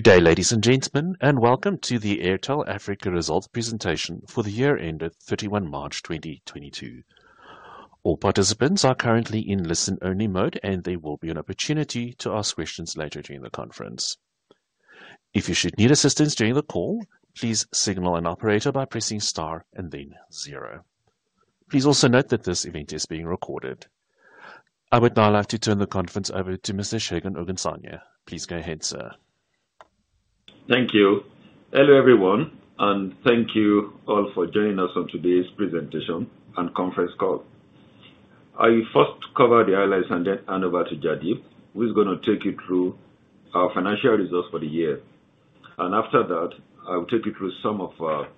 Good day, ladies and gentlemen, and welcome to the Airtel Africa Results Presentation for the Year end of 31 March 2022. All participants are currently in listen-only mode, and there will be an opportunity to ask questions later during the conference. If you should need assistance during the call, please signal an operator by pressing star and then zero. Please also note that this event is being recorded. I would now like to turn the conference over to Mr. Segun Ogunsanya. Please go ahead, sir. Thank you. Hello, everyone, and thank you all for joining us on today's Presentation and Conference Call. I will first cover the highlights and then hand over to Jaideep, who's gonna take you through our financial results for the year. After that, I will take you through some of our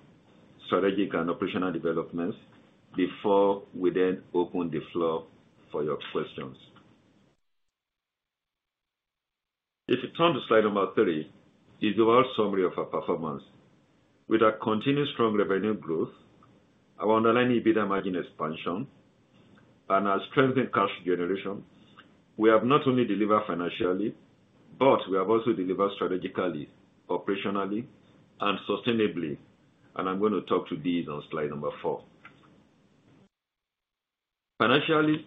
strategic and operational developments before we then open the floor for your questions. If you turn to slide number three, is the overall summary of our performance. With our continued strong revenue growth, our underlying EBITDA margin expansion, and our strengthened cash generation, we have not only delivered financially, but we have also delivered strategically, operationally, and sustainably. I'm gonna talk to these on slide number four. Financially,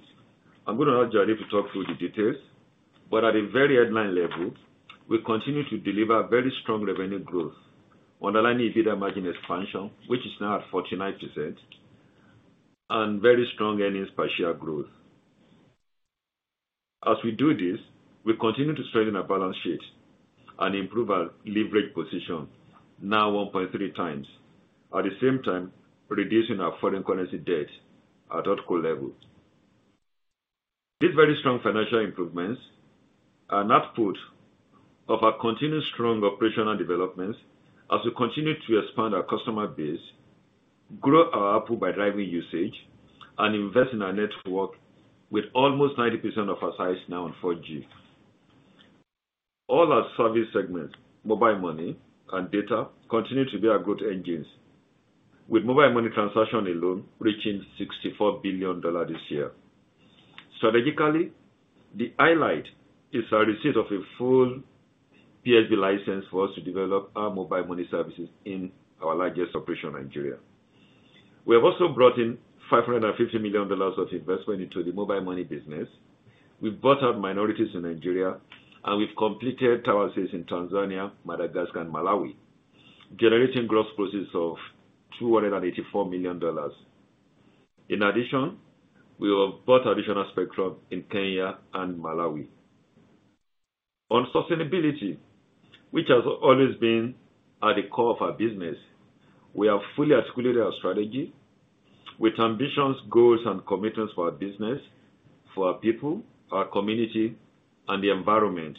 I'm gonna ask Jaideep to talk through the details, but at a very headline level, we continue to deliver very strong revenue growth, underlying EBITDA margin expansion, which is now at 49%, and very strong earnings per share growth. As we do this, we continue to strengthen our balance sheet and improve our leverage position, now 1.3x. At the same time, reducing our foreign currency debt at record level. These very strong financial improvements are an output of our continued strong operational developments as we continue to expand our customer base, grow our ARPU by driving usage and invest in our network with almost 90% of our sites now on 4G. All our service segments, mobile money and data, continue to be our growth engines, with mobile money transaction alone reaching $64 billion this year. Strategically, the highlight is our receipt of a full PSB license for us to develop our mobile money services in our largest operation, Nigeria. We have also brought in $550 million of investment into the mobile money business. We've bought out minorities in Nigeria, and we've completed tower sales in Tanzania, Madagascar, and Malawi, generating gross proceeds of $284 million. In addition, we have bought additional spectrum in Kenya and Malawi. On sustainability, which has always been at the core of our business, we have fully articulated our strategy with ambitions, goals, and commitments for our business, for our people, our community, and the environment.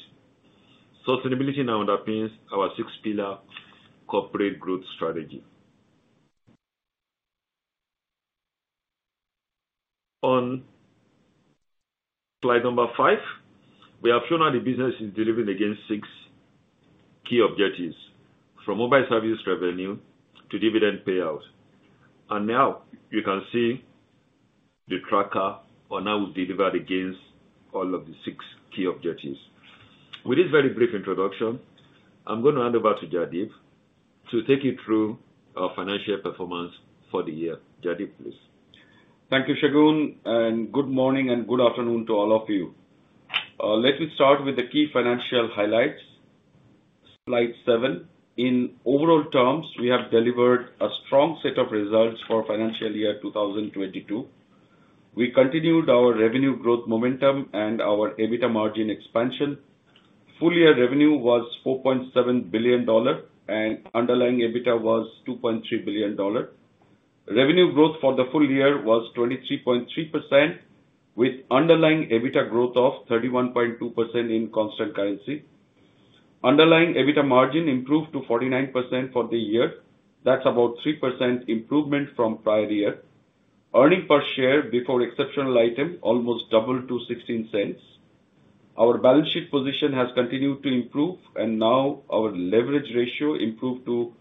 Sustainability now underpins our 6-pillar corporate growth strategy. On slide number 5, we have shown how the business is delivering against 6 key objectives, from mobile service revenue to dividend payout. Now you can see the tracker on how we've delivered against all of the six key objectives. With this very brief introduction, I'm gonna hand over to Jaideep to take you through our financial performance for the year. Jaideep, please. Thank you, Segun, and good morning and good afternoon to all of you. Let me start with the key financial highlights. Slide 7. In overall terms, we have delivered a strong set of results for financial year 2022. We continued our revenue growth momentum and our EBITDA margin expansion. Full year revenue was $4.7 billion, and underlying EBITDA was $2.3 billion. Revenue growth for the full year was 23.3%, with underlying EBITDA growth of 31.2% in constant currency. Underlying EBITDA margin improved to 49% for the year. That's about 3% improvement from prior year. Earnings per share before exceptional item almost doubled to $0.16. Our balance sheet position has continued to improve, and now our leverage ratio improved to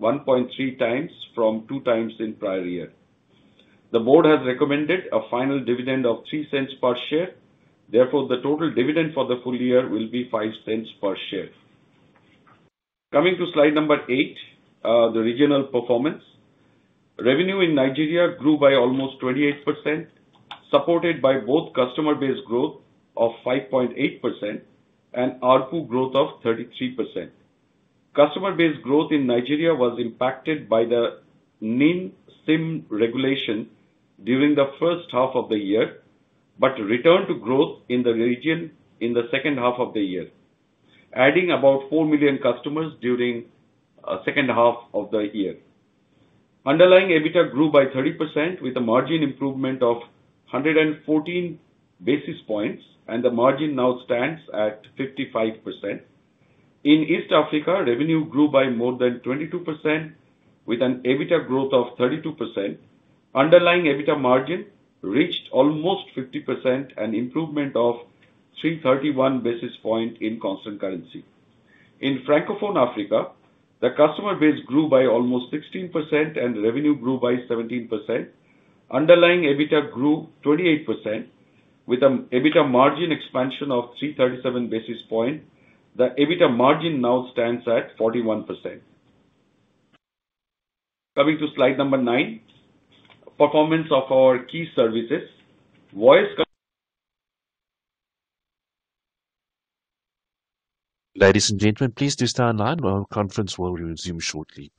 1.3x from 2x in prior year. The board has recommended a final dividend of $0.03 per share. Therefore, the total dividend for the full year will be $0.05 per share. Coming to slide number 8, the regional performance. Revenue in Nigeria grew by almost 28%, supported by both customer base growth of 5.8% and ARPU growth of 33%. Customer base growth in Nigeria was impacted by the NIN/SIM regulation during the first half of the year, but returned to growth in the region in the second half of the year, adding about 4 million customers during second half of the year. Underlying EBITDA grew by 30% with a margin improvement of 114 basis points, and the margin now stands at 55%. In East Africa, revenue grew by more than 22% with an EBITDA growth of 32%. Underlying EBITDA margin reached almost 50%, an improvement of 331 basis points in constant currency. In Francophone Africa, the customer base grew by almost 16% and revenue grew by 17%. Underlying EBITDA grew 28%. With an EBITDA margin expansion of 337 basis points, the EBITDA margin now stands at 41%. Coming to slide number 9. Performance of our key services. Voice. Ladies and gentlemen, please do stay online. The conference will resume shortly.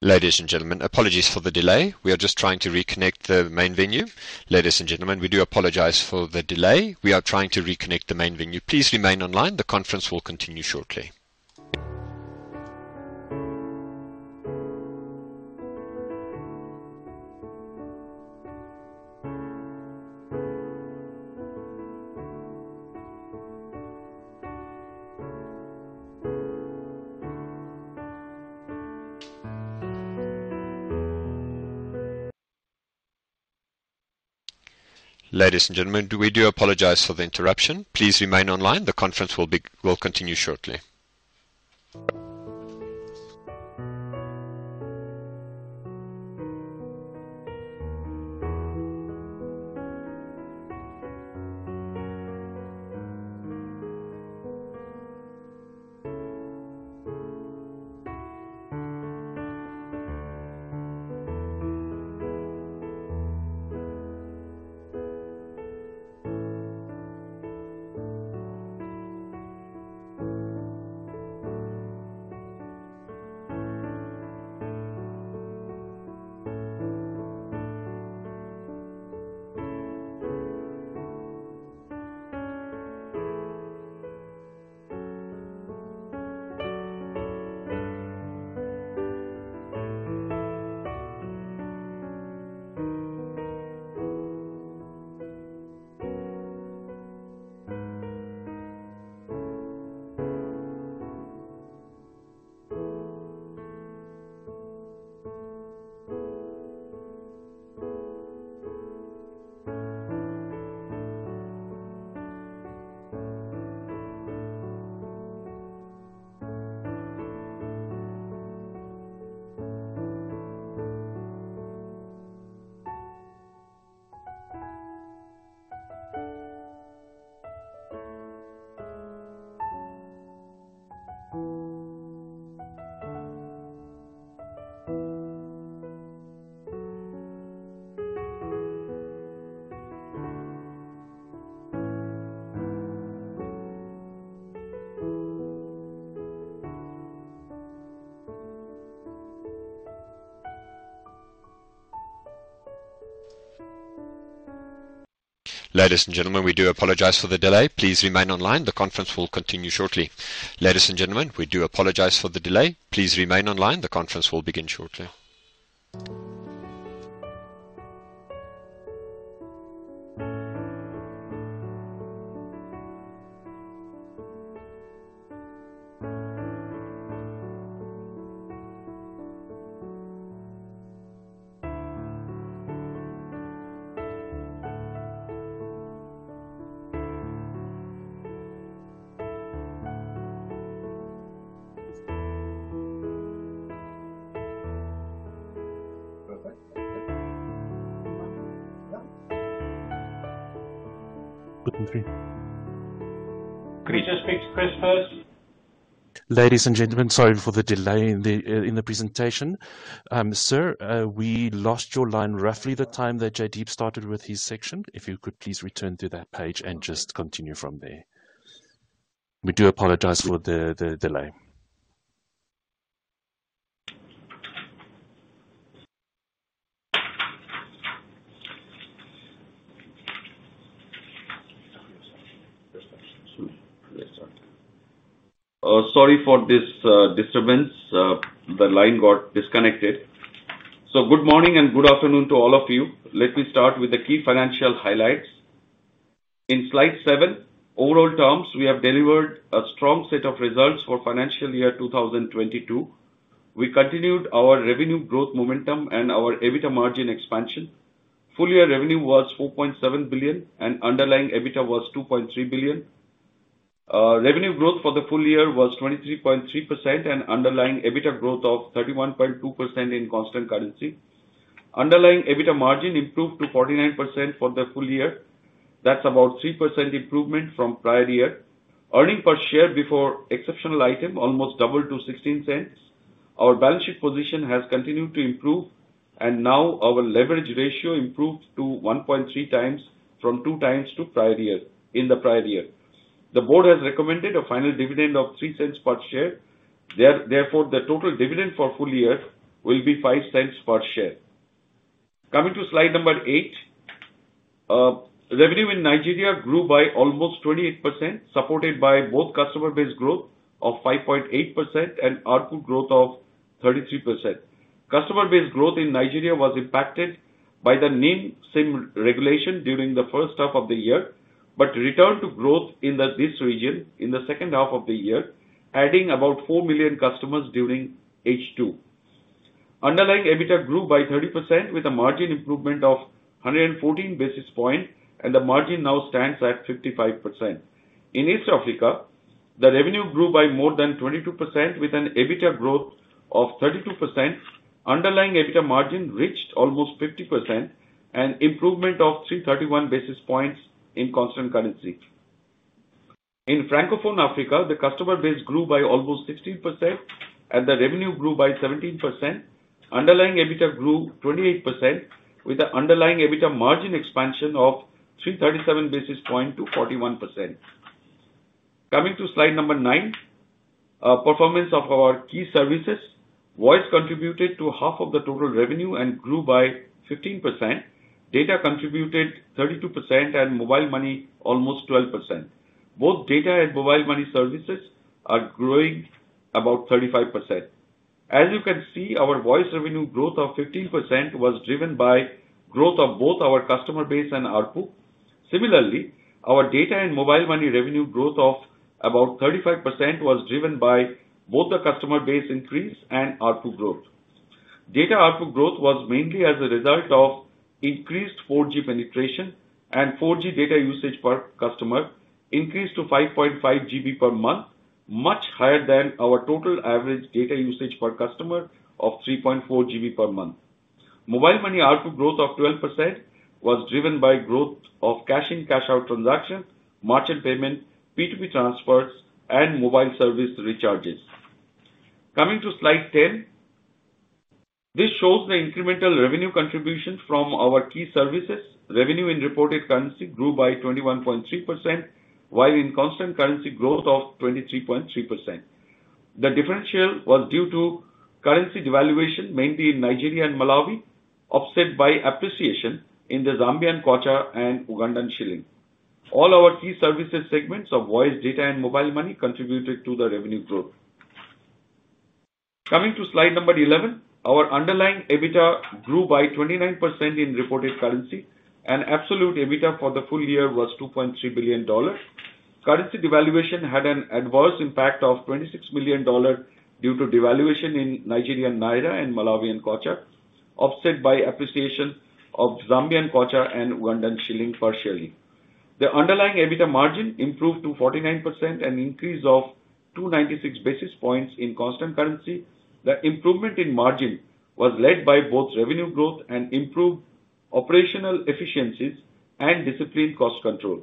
Ladies and gentlemen, apologies for the delay. We are just trying to reconnect the main venue. Ladies and gentlemen, we do apologize for the delay. We are trying to reconnect the main venue. Please remain online. The conference will continue shortly. Ladies and gentlemen, we do apologize for the interruption. Please remain online. The conference will continue shortly. Ladies and gentlemen, we do apologize for the delay. Please remain online. The conference will begin shortly. Can we just take Chris first? Ladies and gentlemen, sorry for the delay in the presentation. Sir, we lost your line roughly the time that Jaideep started with his section. If you could please return to that page and just continue from there. We do apologize for the delay. Sorry for this disturbance. The line got disconnected. Good morning and good afternoon to all of you. Let me start with the key financial highlights. In slide seven, overall terms, we have delivered a strong set of results for financial year 2022. We continued our revenue growth momentum and our EBITDA margin expansion. Full year revenue was $4.7 billion and underlying EBITDA was $2.3 billion. Revenue growth for the full year was 23.3% and underlying EBITDA growth of 31.2% in constant currency. Underlying EBITDA margin improved to 49% for the full year. That's about 3% improvement from prior year. Earnings per share before exceptional item almost doubled to $0.16. Our balance sheet position has continued to improve, and now our leverage ratio improved to 1.3x from 2x in the prior year. The board has recommended a final dividend of $0.03 per share. Therefore, the total dividend for full year will be $0.05 per share. Coming to slide 8. Revenue in Nigeria grew by almost 28%, supported by both customer base growth of 5.8% and ARPU growth of 33%. Customer base growth in Nigeria was impacted by the NIN, SIM regulation during the first half of the year, but returned to growth in this region in the second half of the year, adding about 4 million customers during H2. Underlying EBITDA grew by 30% with a margin improvement of 114 basis points, and the margin now stands at 55%. In East Africa, the revenue grew by more than 22% with an EBITDA growth of 32%. Underlying EBITDA margin reached almost 50%, and improvement of 331 basis points in constant currency. In Francophone Africa, the customer base grew by almost 16% and the revenue grew by 17%. Underlying EBITDA grew 28% with the underlying EBITDA margin expansion of 337 basis point to 41%. Coming to slide number 9. Performance of our key services. Voice contributed to half of the total revenue and grew by 15%. Data contributed 32% and mobile money almost 12%. Both data and mobile money services are growing about 35%. As you can see, our voice revenue growth of 15% was driven by growth of both our customer base and ARPU. Similarly, our data and mobile money revenue growth of about 35% was driven by both the customer base increase and ARPU growth. Data ARPU growth was mainly as a result of increased 4G penetration and 4G data usage per customer increased to 5.5 GB per month, much higher than our total average data usage per customer of 3.4 GB per month. Mobile money ARPU growth of 12% was driven by growth of cash-in, cash-out transactions, merchant payment, P2P transfers, and mobile service recharges. Coming to slide 10. This shows the incremental revenue contribution from our key services. Revenue in reported currency grew by 21.3%, while in constant currency growth of 23.3%. The differential was due to currency devaluation, mainly in Nigeria and Malawi, offset by appreciation in the Zambian kwacha and Ugandan shilling. All our key services segments of voice, data and mobile money contributed to the revenue growth. Coming to slide 11. Our underlying EBITDA grew by 29% in reported currency, and absolute EBITDA for the full year was $2.3 billion. Currency devaluation had an adverse impact of $26 million due to devaluation in Nigerian naira and Malawian kwacha, offset by appreciation of Zambian kwacha and Ugandan shilling, partially. The underlying EBITDA margin improved to 49%, an increase of 296 basis points in constant currency. The improvement in margin was led by both revenue growth and improved operational efficiencies and disciplined cost control.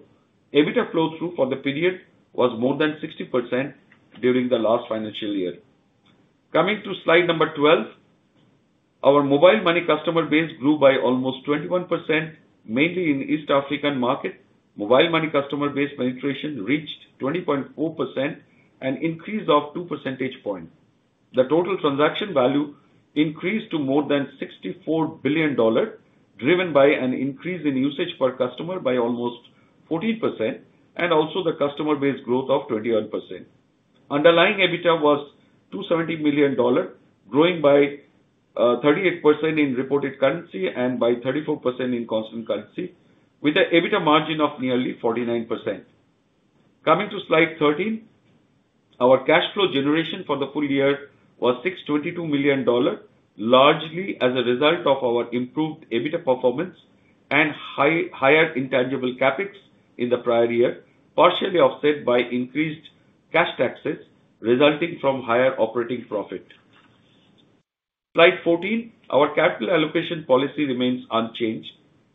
EBITDA flow-through for the period was more than 60% during the last financial year. Coming to slide 12. Our mobile money customer base grew by almost 21%, mainly in East African market. Mobile money customer base penetration reached 20.4%, an increase of 2 percentage points. The total transaction value increased to more than $64 billion, driven by an increase in usage per customer by almost 14% and also the customer base growth of 21%. Underlying EBITDA was $270 million, growing by 38% in reported currency and by 34% in constant currency with the EBITDA margin of nearly 49%. Coming to Slide 13. Our cash flow generation for the full year was $622 million, largely as a result of our improved EBITDA performance and higher intangible CapEx in the prior year, partially offset by increased cash taxes resulting from higher operating profit. Slide 14. Our capital allocation policy remains unchanged.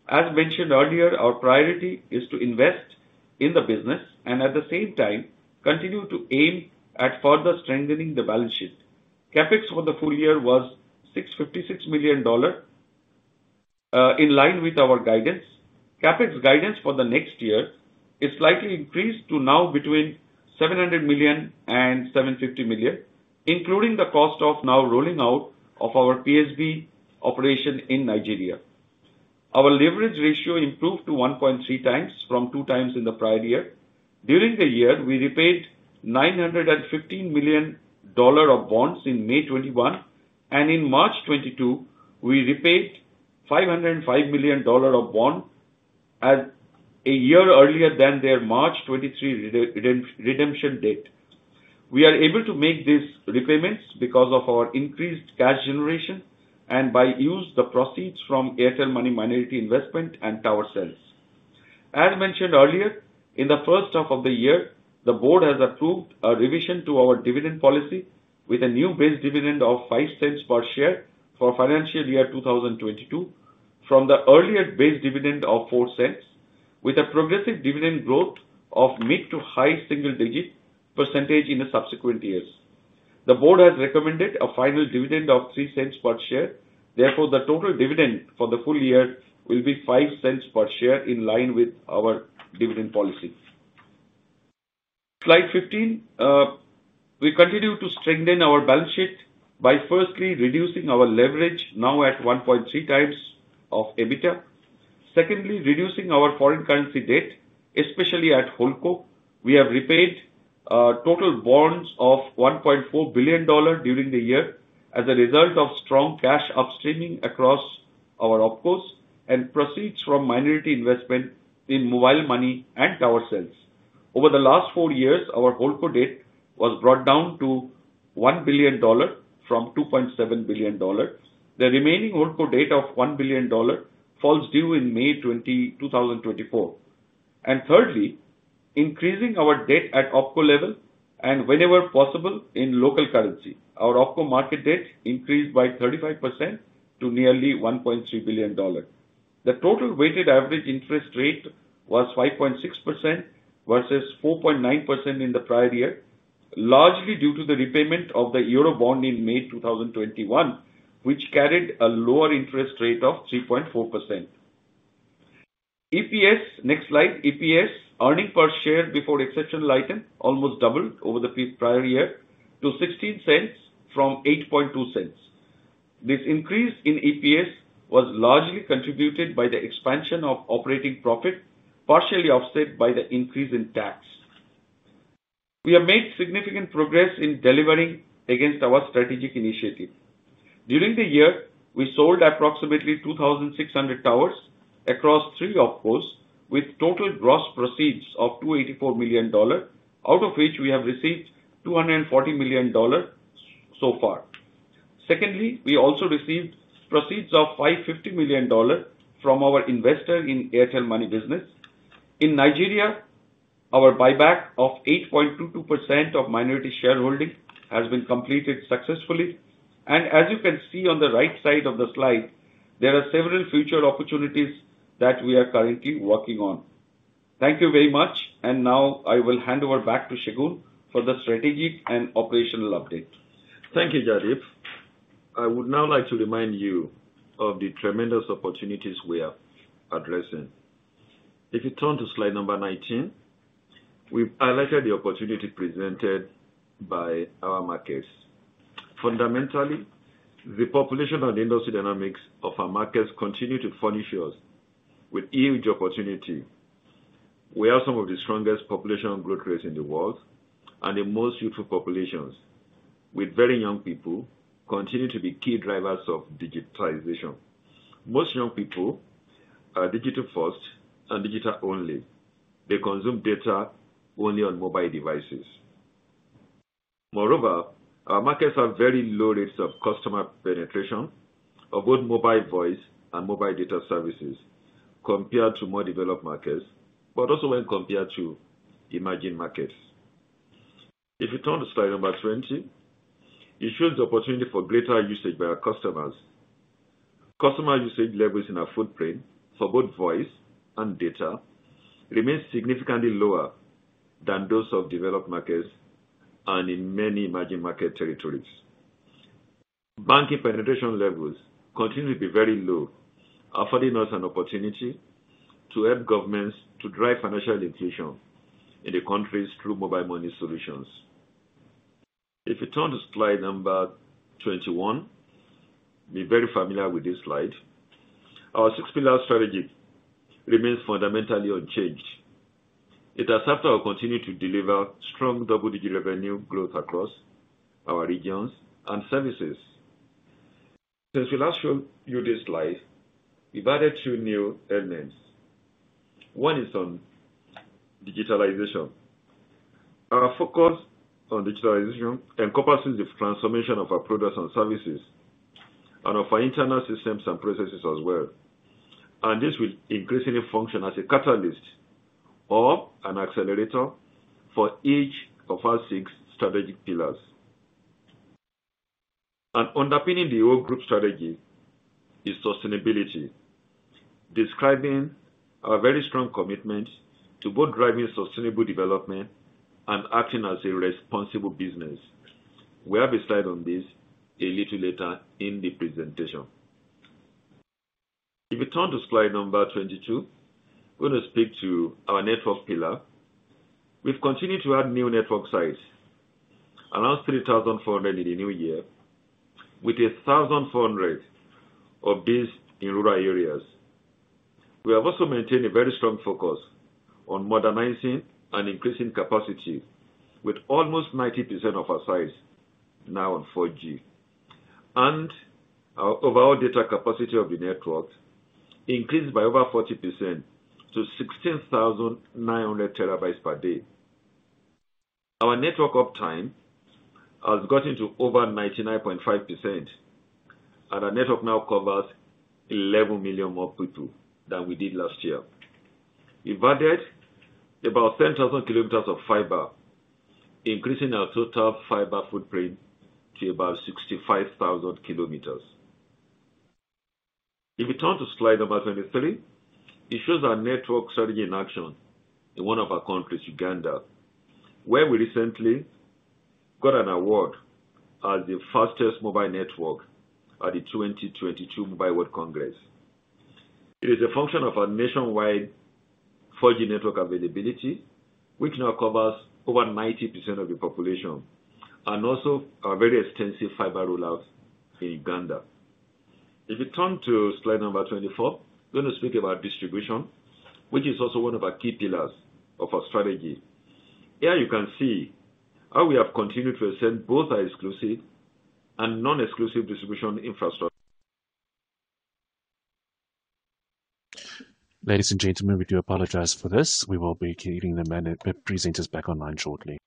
As mentioned earlier, our priority is to invest in the business and at the same time continue to aim at further strengthening the balance sheet. CapEx for the full year was $656 million, in line with our guidance. CapEx guidance for the next year is slightly increased to now between $700 million and $750 million, including the cost of now rolling out of our PSB operation in Nigeria. Our leverage ratio improved to 1.3x from 2x in the prior year. During the year, we repaid $915 million of bonds in May 2021, and in March 2022, we repaid $505 million of bond a year earlier than their March 2023 redemption date. We are able to make these repayments because of our increased cash generation and by using the proceeds from Airtel Money minority investment and tower sales. As mentioned earlier, in the first half of the year, the board has approved a revision to our dividend policy with a new base dividend of $0.05 per share for financial year 2022 from the earlier base dividend of $0.04 with a progressive dividend growth of mid- to high single-digit % in the subsequent years. The board has recommended a final dividend of $0.03 per share. Therefore, the total dividend for the full year will be $0.05 per share in line with our dividend policy. Slide 15. We continue to strengthen our balance sheet by firstly reducing our leverage now at 1.3x EBITDA. Secondly, reducing our foreign currency debt, especially at HoldCo. We have repaid total bonds of $1.4 billion during the year as a result of strong cash upstreaming across our OpCos and proceeds from minority investment in Mobile Money and tower sales. Over the last four years, our HoldCo debt was brought down to $1 billion from $2.7 billion. The remaining HoldCo debt of $1 billion falls due in May 2024. Thirdly, increasing our debt at OpCo level and whenever possible in local currency. Our OpCo market debt increased by 35% to nearly $1.3 billion. The total weighted average interest rate was 5.6% versus 4.9% in the prior year, largely due to the repayment of the Euro bond in May 2021, which carried a lower interest rate of 3.4%. EPS. Next slide. EPS. Earnings per share before exceptional item almost doubled over the prior year to 16 cents from 8.2 cents. This increase in EPS was largely contributed by the expansion of operating profit, partially offset by the increase in tax. We have made significant progress in delivering against our strategic initiative. During the year, we sold approximately 2,600 towers across three OpCos with total gross proceeds of $284 million, out of which we have received $240 million so far. Secondly, we also received proceeds of $550 million from our investor in Airtel Money business. In Nigeria, our buyback of 8.22% of minority shareholding has been completed successfully. As you can see on the right side of the slide, there are several future opportunities that we are currently working on. Thank you very much. Now I will hand over back to Segun for the strategic and operational update. Thank you, Jaideep. I would now like to remind you of the tremendous opportunities we are addressing. If you turn to slide number 19, we've highlighted the opportunity presented by our markets. Fundamentally, the population and industry dynamics of our markets continue to furnish us with huge opportunity. We have some of the strongest population growth rates in the world and the most youthful populations, with very young people continue to be key drivers of digitization. Most young people are digital first and digital only. They consume data only on mobile devices. Moreover, our markets have very low rates of customer penetration of both mobile voice and mobile data services compared to more developed markets, but also when compared to emerging markets. If you turn to slide number 20, it shows the opportunity for greater usage by our customers. Customer usage levels in our footprint for both voice and data remains significantly lower than those of developed markets and in many emerging market territories. Banking penetration levels continue to be very low, affording us an opportunity to help governments to drive financial inclusion in the countries through mobile money solutions. If you turn to slide number 21, you're very familiar with this slide. Our 6-pillar strategy remains fundamentally unchanged. It has helped us continue to deliver strong double-digit revenue growth across our regions and services. Since we last showed you this slide, we've added 2 new elements. One is on digitalization. Our focus on digitalization encompasses the transformation of our products and services and of our internal systems and processes as well. This will increasingly function as a catalyst or an accelerator for each of our 6 strategic pillars. Underpinning the whole group strategy is sustainability, describing our very strong commitment to both driving sustainable development and acting as a responsible business. We have a slide on this a little later in the presentation. If you turn to slide number 22, we're gonna speak to our network pillar. We've continued to add new network sites, around 3,400 in the new year, with 1,400 of these in rural areas. We have also maintained a very strong focus on modernizing and increasing capacity with almost 90% of our sites now on 4G. Our overall data capacity of the network increased by over 40% to 16,900 terabytes per day. Our network uptime has gotten to over 99.5%, and our network now covers 11 million more people than we did last year. We've added about 10,000 kilometers of fiber, increasing our total fiber footprint to about 65,000 kilometers. If you turn to slide number 23, it shows our network strategy in action in one of our countries, Uganda, where we recently got an award as the fastest mobile network at the 2022 Mobile World Congress. It is a function of our nationwide 4G network availability, which now covers over 90% of the population, and also our very extensive fiber rollouts in Uganda. If you turn to slide number 24, we're gonna speak about distribution, which is also one of our key pillars of our strategy. Here you can see how we have continued to ascend both our exclusive and non-exclusive distribution infrastructure. Ladies and gentlemen, we do apologize for this. We will be getting the presenters back online shortly.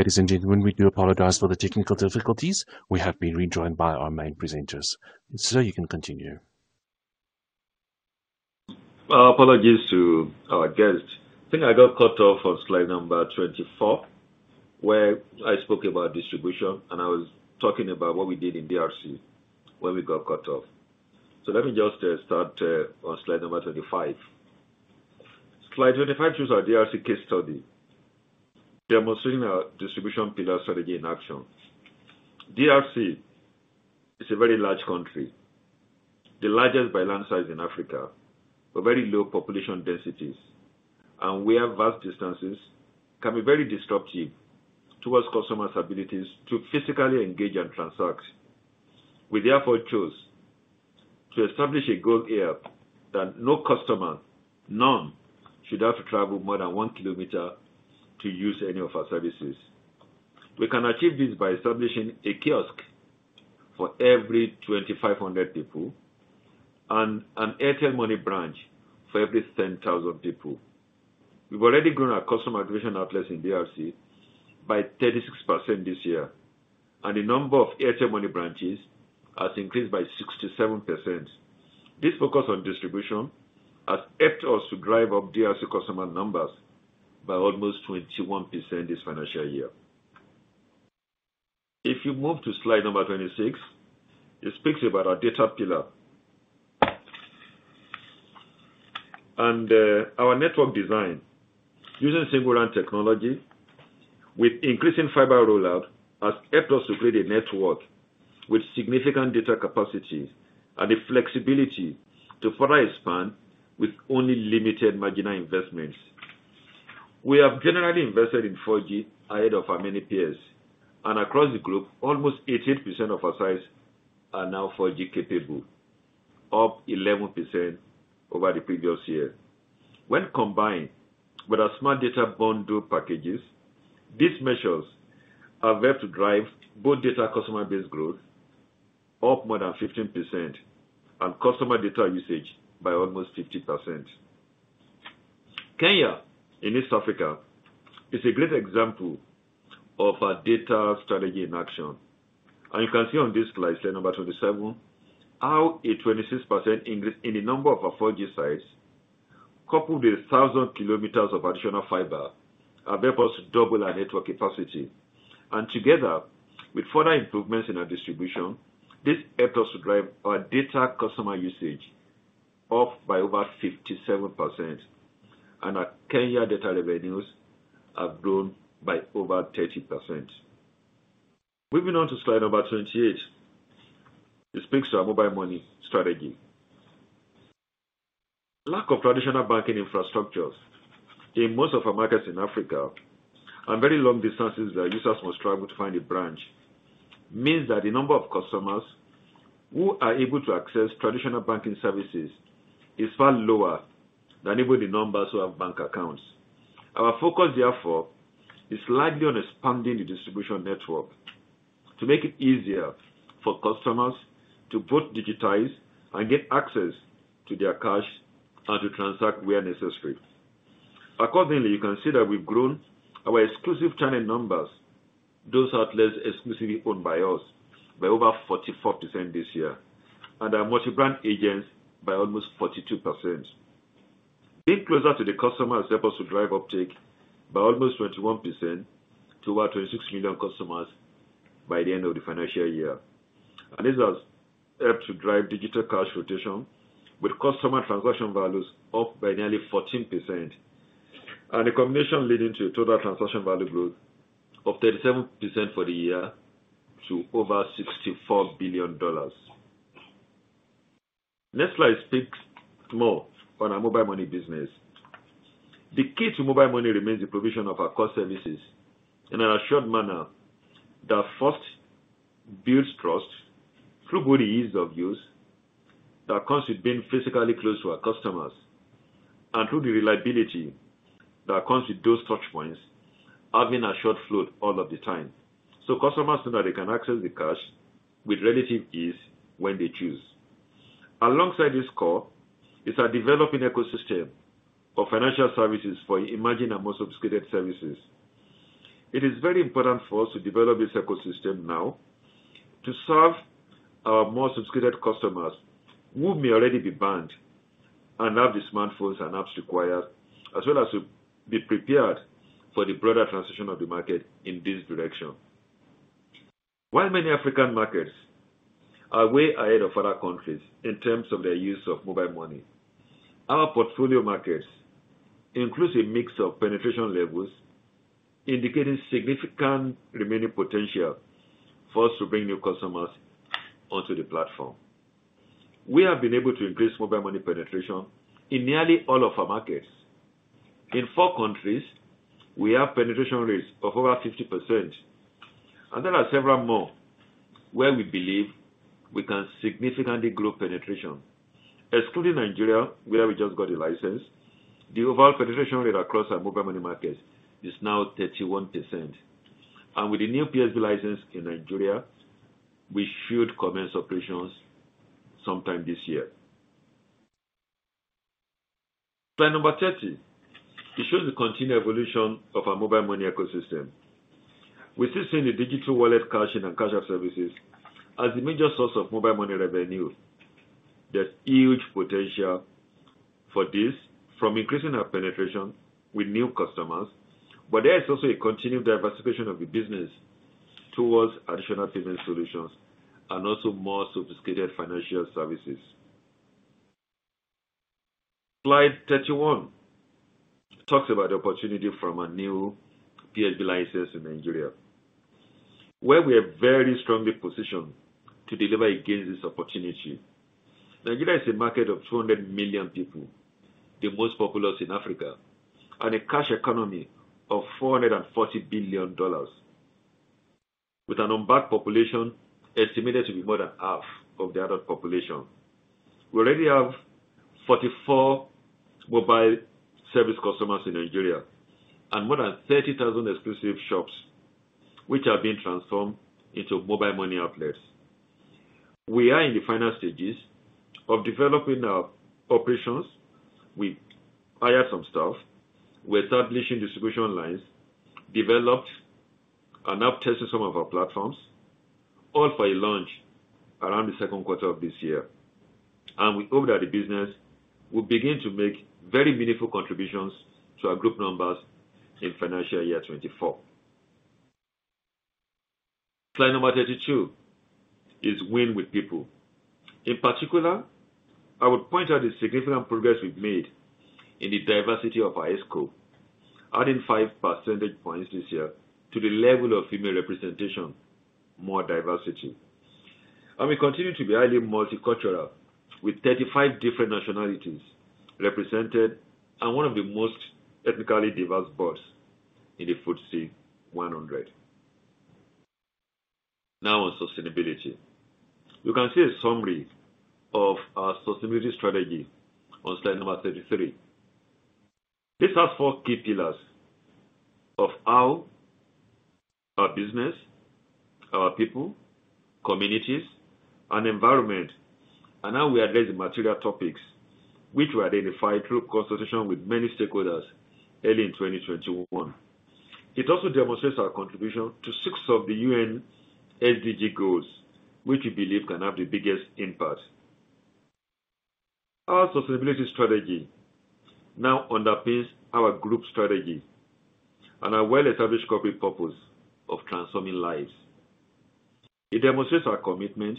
Ladies and gentlemen, we do apologize for the technical difficulties. We have been rejoined by our main presenters. Sir, you can continue. Our apologies to our guest. I think I got cut off on slide number 24, where I spoke about distribution, and I was talking about what we did in DRC when we got cut off. Let me just start on slide number 25. Slide 25 shows our DRC case study, demonstrating our distribution pillar strategy in action. DRC is a very large country, the largest by land size in Africa, but very low population densities. We have vast distances, can be very disruptive towards customers' abilities to physically engage and transact. We therefore chose to establish a goal here that no customer, none, should have to travel more than 1 kilometer to use any of our services. We can achieve this by establishing a kiosk for every 2,500 people and an Airtel Money branch for every 10,000 people. We've already grown our customer acquisition outlets in DRC by 36% this year, and the number of Airtel Money branches has increased by 67%. This focus on distribution has helped us to drive up DRC customer numbers by almost 21% this financial year. If you move to slide number 26, it speaks about our data pillar. Our network design using single RAN technology with increasing fiber rollout has helped us to create a network with significant data capacity and the flexibility to further expand with only limited marginal investments. We have generally invested in 4G ahead of our many peers, and across the group, almost 88% of our sites are now 4G capable, up 11% over the previous year. When combined with our smart data bundle packages, these measures have helped to drive both data customer base growth up more than 15% and customer data usage by almost 50%. Kenya in East Africa is a great example of our data strategy in action. You can see on this slide number 27, how a 26% increase in the number of our 4G sites, coupled with 1,000 km of additional fiber, have helped us double our network capacity. Together with further improvements in our distribution, this helped us to drive our data customer usage up by over 57%. Our Kenya data revenues have grown by over 30%. Moving on to slide number 28. It speaks to our Mobile Money strategy. Lack of traditional banking infrastructures in most of our markets in Africa and very long distances that users must travel to find a branch means that the number of customers who are able to access traditional banking services is far lower than even the numbers who have bank accounts. Our focus, therefore, is largely on expanding the distribution network to make it easier for customers to both digitize and get access to their cash and to transact where necessary. Accordingly, you can see that we've grown our exclusive channel numbers, those outlets exclusively owned by us, by over 44% this year, and our multi-brand agents by almost 42%. Being closer to the customers help us to drive uptake by almost 21% to about 26 million customers by the end of the financial year. This has helped to drive digital cash rotation with customer transaction values up by nearly 14%. A combination leading to total transaction value growth of 37% for the year to over $64 billion. Next slide speaks more on our mobile money business. The key to mobile money remains the provision of our core services in an assured manner that first builds trust through good ease of use that comes with being physically close to our customers and through the reliability that comes with those touch points having a short flow all of the time. Customers know that they can access the cash with relative ease when they choose. Alongside this core is our developing ecosystem of financial services for imagined and more sophisticated services. It is very important for us to develop this ecosystem now to serve our more sophisticated customers who may already be banked and have the smartphones and apps required, as well as to be prepared for the broader transition of the market in this direction. While many African markets are way ahead of other countries in terms of their use of mobile money, our portfolio markets includes a mix of penetration levels indicating significant remaining potential for us to bring new customers onto the platform. We have been able to increase mobile money penetration in nearly all of our markets. In four countries, we have penetration rates of over 50%, and there are several more where we believe we can significantly grow penetration. Excluding Nigeria, where we just got the license, the overall penetration rate across our mobile money markets is now 31%. With the new PSB license in Nigeria, we should commence operations sometime this year. Slide number 30. It shows the continued evolution of our mobile money ecosystem. We still see the digital wallet cash in and cash out services as the major source of mobile money revenue. There's huge potential for this from increasing our penetration with new customers, but there is also a continued diversification of the business towards additional payment solutions and also more sophisticated financial services. Slide 31 talks about the opportunity from our new PSB license in Nigeria, where we are very strongly positioned to deliver against this opportunity. Nigeria is a market of 200 million people, the most populous in Africa, and a cash economy of $440 billion with an unbanked population estimated to be more than half of the adult population. We already have 44 mobile service customers in Nigeria and more than 30,000 exclusive shops which are being transformed into mobile money outlets. We are in the final stages of developing our operations. We hired some staff. We're establishing distribution lines, developed and now testing some of our platforms all for a launch around the second quarter of this year. We hope that the business will begin to make very meaningful contributions to our group numbers in financial year 2024. Slide number 32 is win with people. In particular, I would point out the significant progress we've made in the diversity of our scope, adding 5 percentage points this year to the level of female representation, more diversity. We continue to be highly multicultural, with 35 different nationalities represented and one of the most ethnically diverse boards in the FTSE 100. Now on sustainability. You can see a summary of our sustainability strategy on slide number 33. These are four key pillars of how our business, our people, communities, and environment, and how we address the material topics which were identified through consultation with many stakeholders early in 2021. It also demonstrates our contribution to six of the UN SDG goals, which we believe can have the biggest impact. Our sustainability strategy now underpins our group strategy and our well-established corporate purpose of transforming lives. It demonstrates our commitment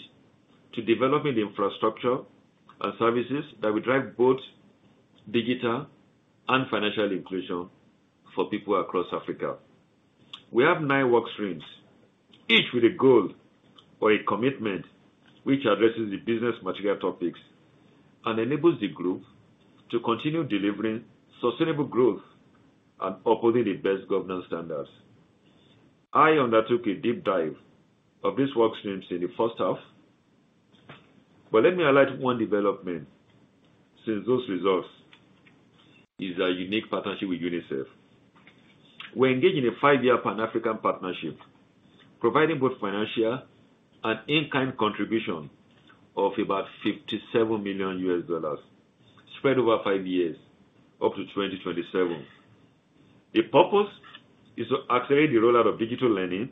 to developing the infrastructure and services that will drive both digital and financial inclusion for people across Africa. We have nine work streams, each with a goal or a commitment which addresses the business material topics and enables the group to continue delivering sustainable growth and upholding the best governance standards. I undertook a deep dive of these work streams in the first half, but let me highlight one development since those results is our unique partnership with UNICEF. We're engaged in a 5-year Pan-African partnership, providing both financial and in-kind contribution of about $57 million spread over 5 years up to 2027. The purpose is to accelerate the rollout of digital learning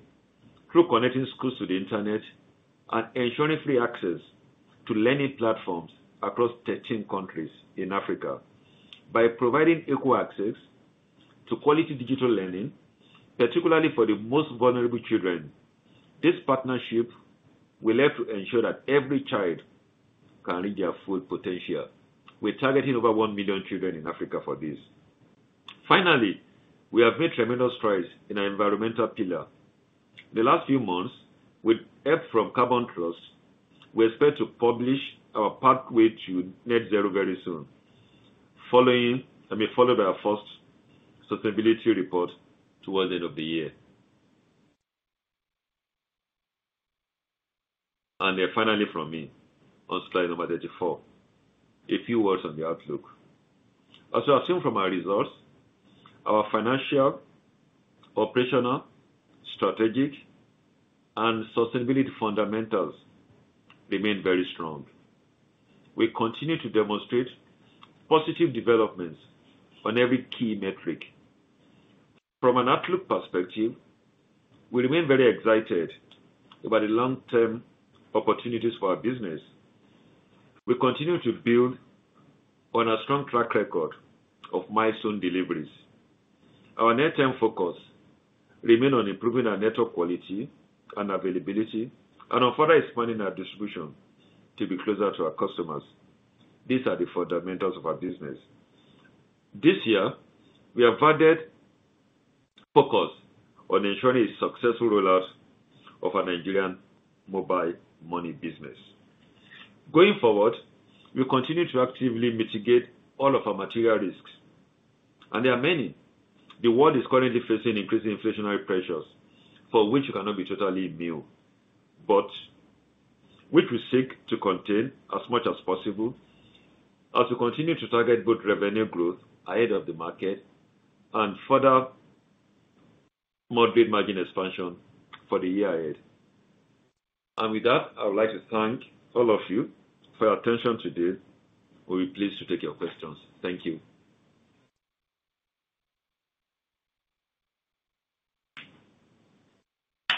through connecting schools to the Internet and ensuring free access to learning platforms across 13 countries in Africa. By providing equal access to quality digital learning, particularly for the most vulnerable children, this partnership will help to ensure that every child can reach their full potential. We're targeting over 1 million children in Africa for this. Finally, we have made tremendous strides in our environmental pillar. The last few months, with help from Carbon Trust, we expect to publish our pathway to Net Zero very soon. Followed by our first sustainability report towards the end of the year. Then finally from me on slide number 34, a few words on the outlook. As you have seen from our results, our financial, operational, strategic, and sustainability fundamentals remain very strong. We continue to demonstrate positive developments on every key metric. From an outlook perspective, we remain very excited about the long-term opportunities for our business. We continue to build on our strong track record of milestone deliveries. Our near-term focus remain on improving our network quality and availability and on further expanding our distribution to be closer to our customers. These are the fundamentals of our business. This year, we have added focus on ensuring a successful rollout of our Nigerian mobile money business. Going forward, we continue to actively mitigate all of our material risks. There are many. The world is currently facing increasing inflationary pressures for which we cannot be totally immune, but which we seek to contain as much as possible as we continue to target both revenue growth ahead of the market and further moderate margin expansion for the year ahead. With that, I would like to thank all of you for your attention today. We'll be pleased to take your questions. Thank you.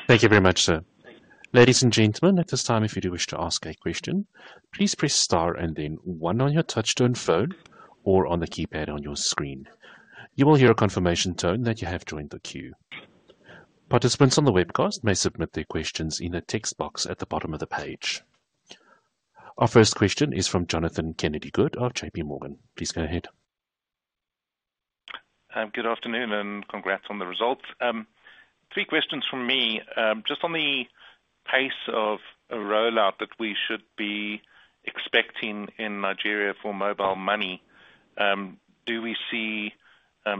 Thank you very much, sir. Ladies and gentlemen, at this time, if you do wish to ask a question, please press star and then one on your touchtone phone or on the keypad on your screen. You will hear a confirmation tone that you have joined the queue. Participants on the webcast may submit their questions in a text box at the bottom of the page. Our first question is from Jonathan Kennedy-Good of JPMorgan. Please go ahead. Good afternoon and congrats on the results. 3 questions from me. Just on the pace of a rollout that we should be expecting in Nigeria for Mobile Money, do we see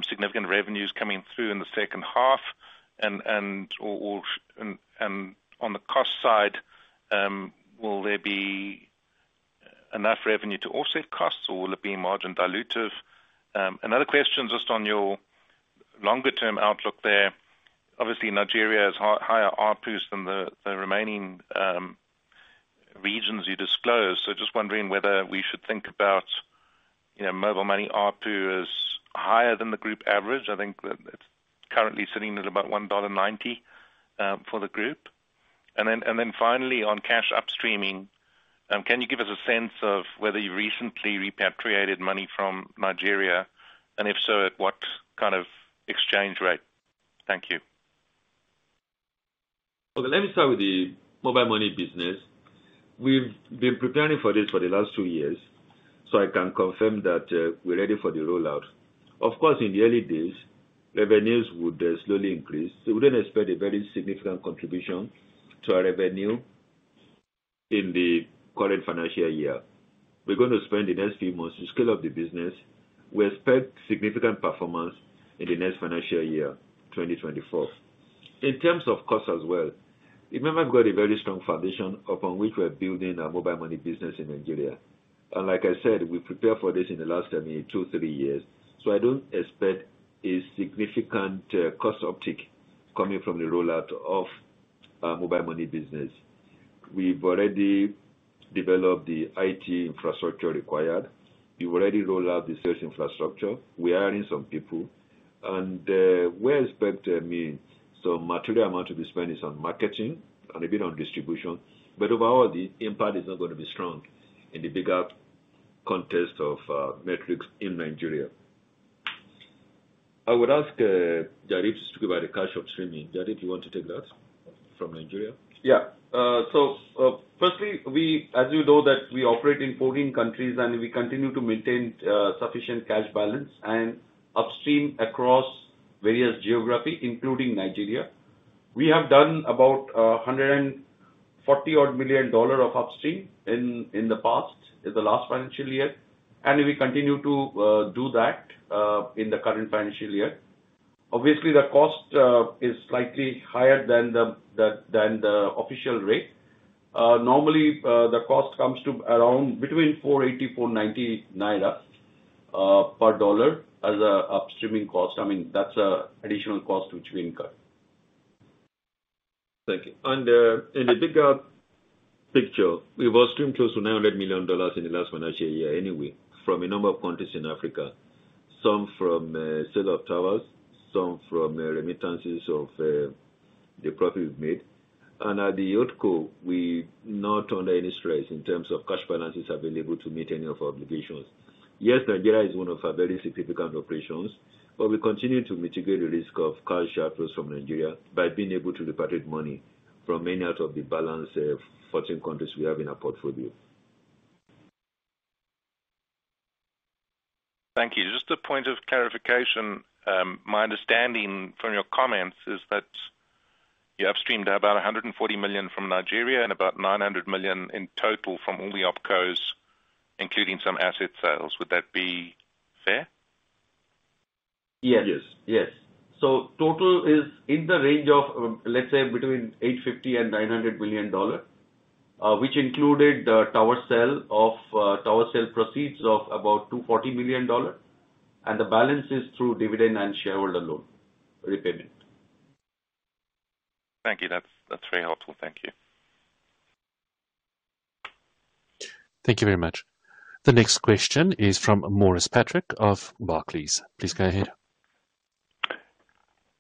significant revenues coming through in the second half? And on the cost side, will there be enough revenue to offset costs, or will it be margin dilutive? Another question just on your longer term outlook there. Obviously Nigeria has higher ARPUs than the remaining regions you disclosed. Just wondering whether we should think about, you know, Mobile Money ARPU as higher than the group average. I think that it's currently sitting at about $1.90 for the group. Finally on cash upstreaming. Can you give us a sense of whether you recently repatriated money from Nigeria, and if so, at what kind of exchange rate? Thank you. Well, let me start with the mobile money business. We've been preparing for this for the last two years, so I can confirm that we're ready for the rollout. Of course, in the early days, revenues would slowly increase. We don't expect a very significant contribution to our revenue in the current financial year. We're gonna spend the next few months to scale up the business. We expect significant performance in the next financial year, 2024. In terms of cost as well, remember we've got a very strong foundation upon which we're building our mobile money business in Nigeria. Like I said, we prepared for this in the last, I mean, two, three years. I don't expect a significant cost uptick coming from the rollout of our mobile money business. We've already developed the IT infrastructure required. We've already rolled out the sales infrastructure. We're hiring some people. We expect, I mean, a material amount to be spent is on marketing and a bit on distribution, but overall the impact is not gonna be strong in the bigger context of metrics in Nigeria. I would ask Jaideep to speak about the cash upstreaming. Jaideep, you want to take that from Nigeria? As you know that we operate in 14 countries, and we continue to maintain sufficient cash balance and upstream across various geography, including Nigeria. We have done about $140 million of upstream in the past, in the last financial year, and we continue to do that in the current financial year. Obviously, the cost is slightly higher than the official rate. Normally, the cost comes to around between 480-490 naira NGN per dollar as a upstreaming cost. I mean, that's an additional cost which we incur. Thank you. In the bigger picture, we've upstreamed close to $900 million in the last financial year anyway, from a number of countries in Africa. Some from sale of towers, some from remittances of the profit we've made. At the OpCo, we're not under any stress in terms of cash balances available to meet any of our obligations. Yes, Nigeria is one of our very significant operations, but we continue to mitigate the risk of cash outflows from Nigeria by being able to repatriate money from many out of the balance 14 countries we have in our portfolio. Thank you. Just a point of clarification. My understanding from your comments is that you upstreamed about $140 million from Nigeria and about $900 million in total from all the opcos, including some asset sales. Would that be fair? Yes. Yes. Total is in the range of, let's say between $850 million and $900 million, which included the tower sale proceeds of about $240 million, and the balance is through dividend and shareholder loan repayment. Thank you. That's very helpful. Thank you. Thank you very much. The next question is from Maurice Patrick of Barclays. Please go ahead.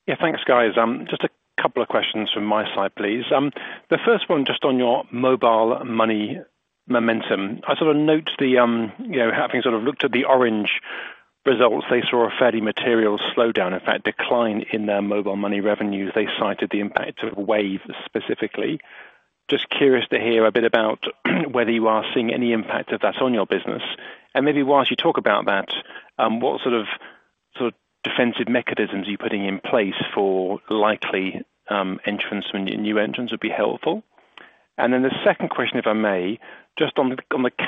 Yeah, thanks, guys. Just a couple of questions from my side, please. The first one just on your mobile money momentum. I sort of note the, you know, having sort of looked at the Orange results, they saw a fairly material slowdown, in fact decline in their mobile money revenues. They cited the impact of Wave specifically. Just curious to hear a bit about whether you are seeing any impact of that on your business. Maybe whilst you talk about that, what sort of defensive mechanisms are you putting in place for likely new entrants would be helpful. Then the second question, if I may, just on the CapEx.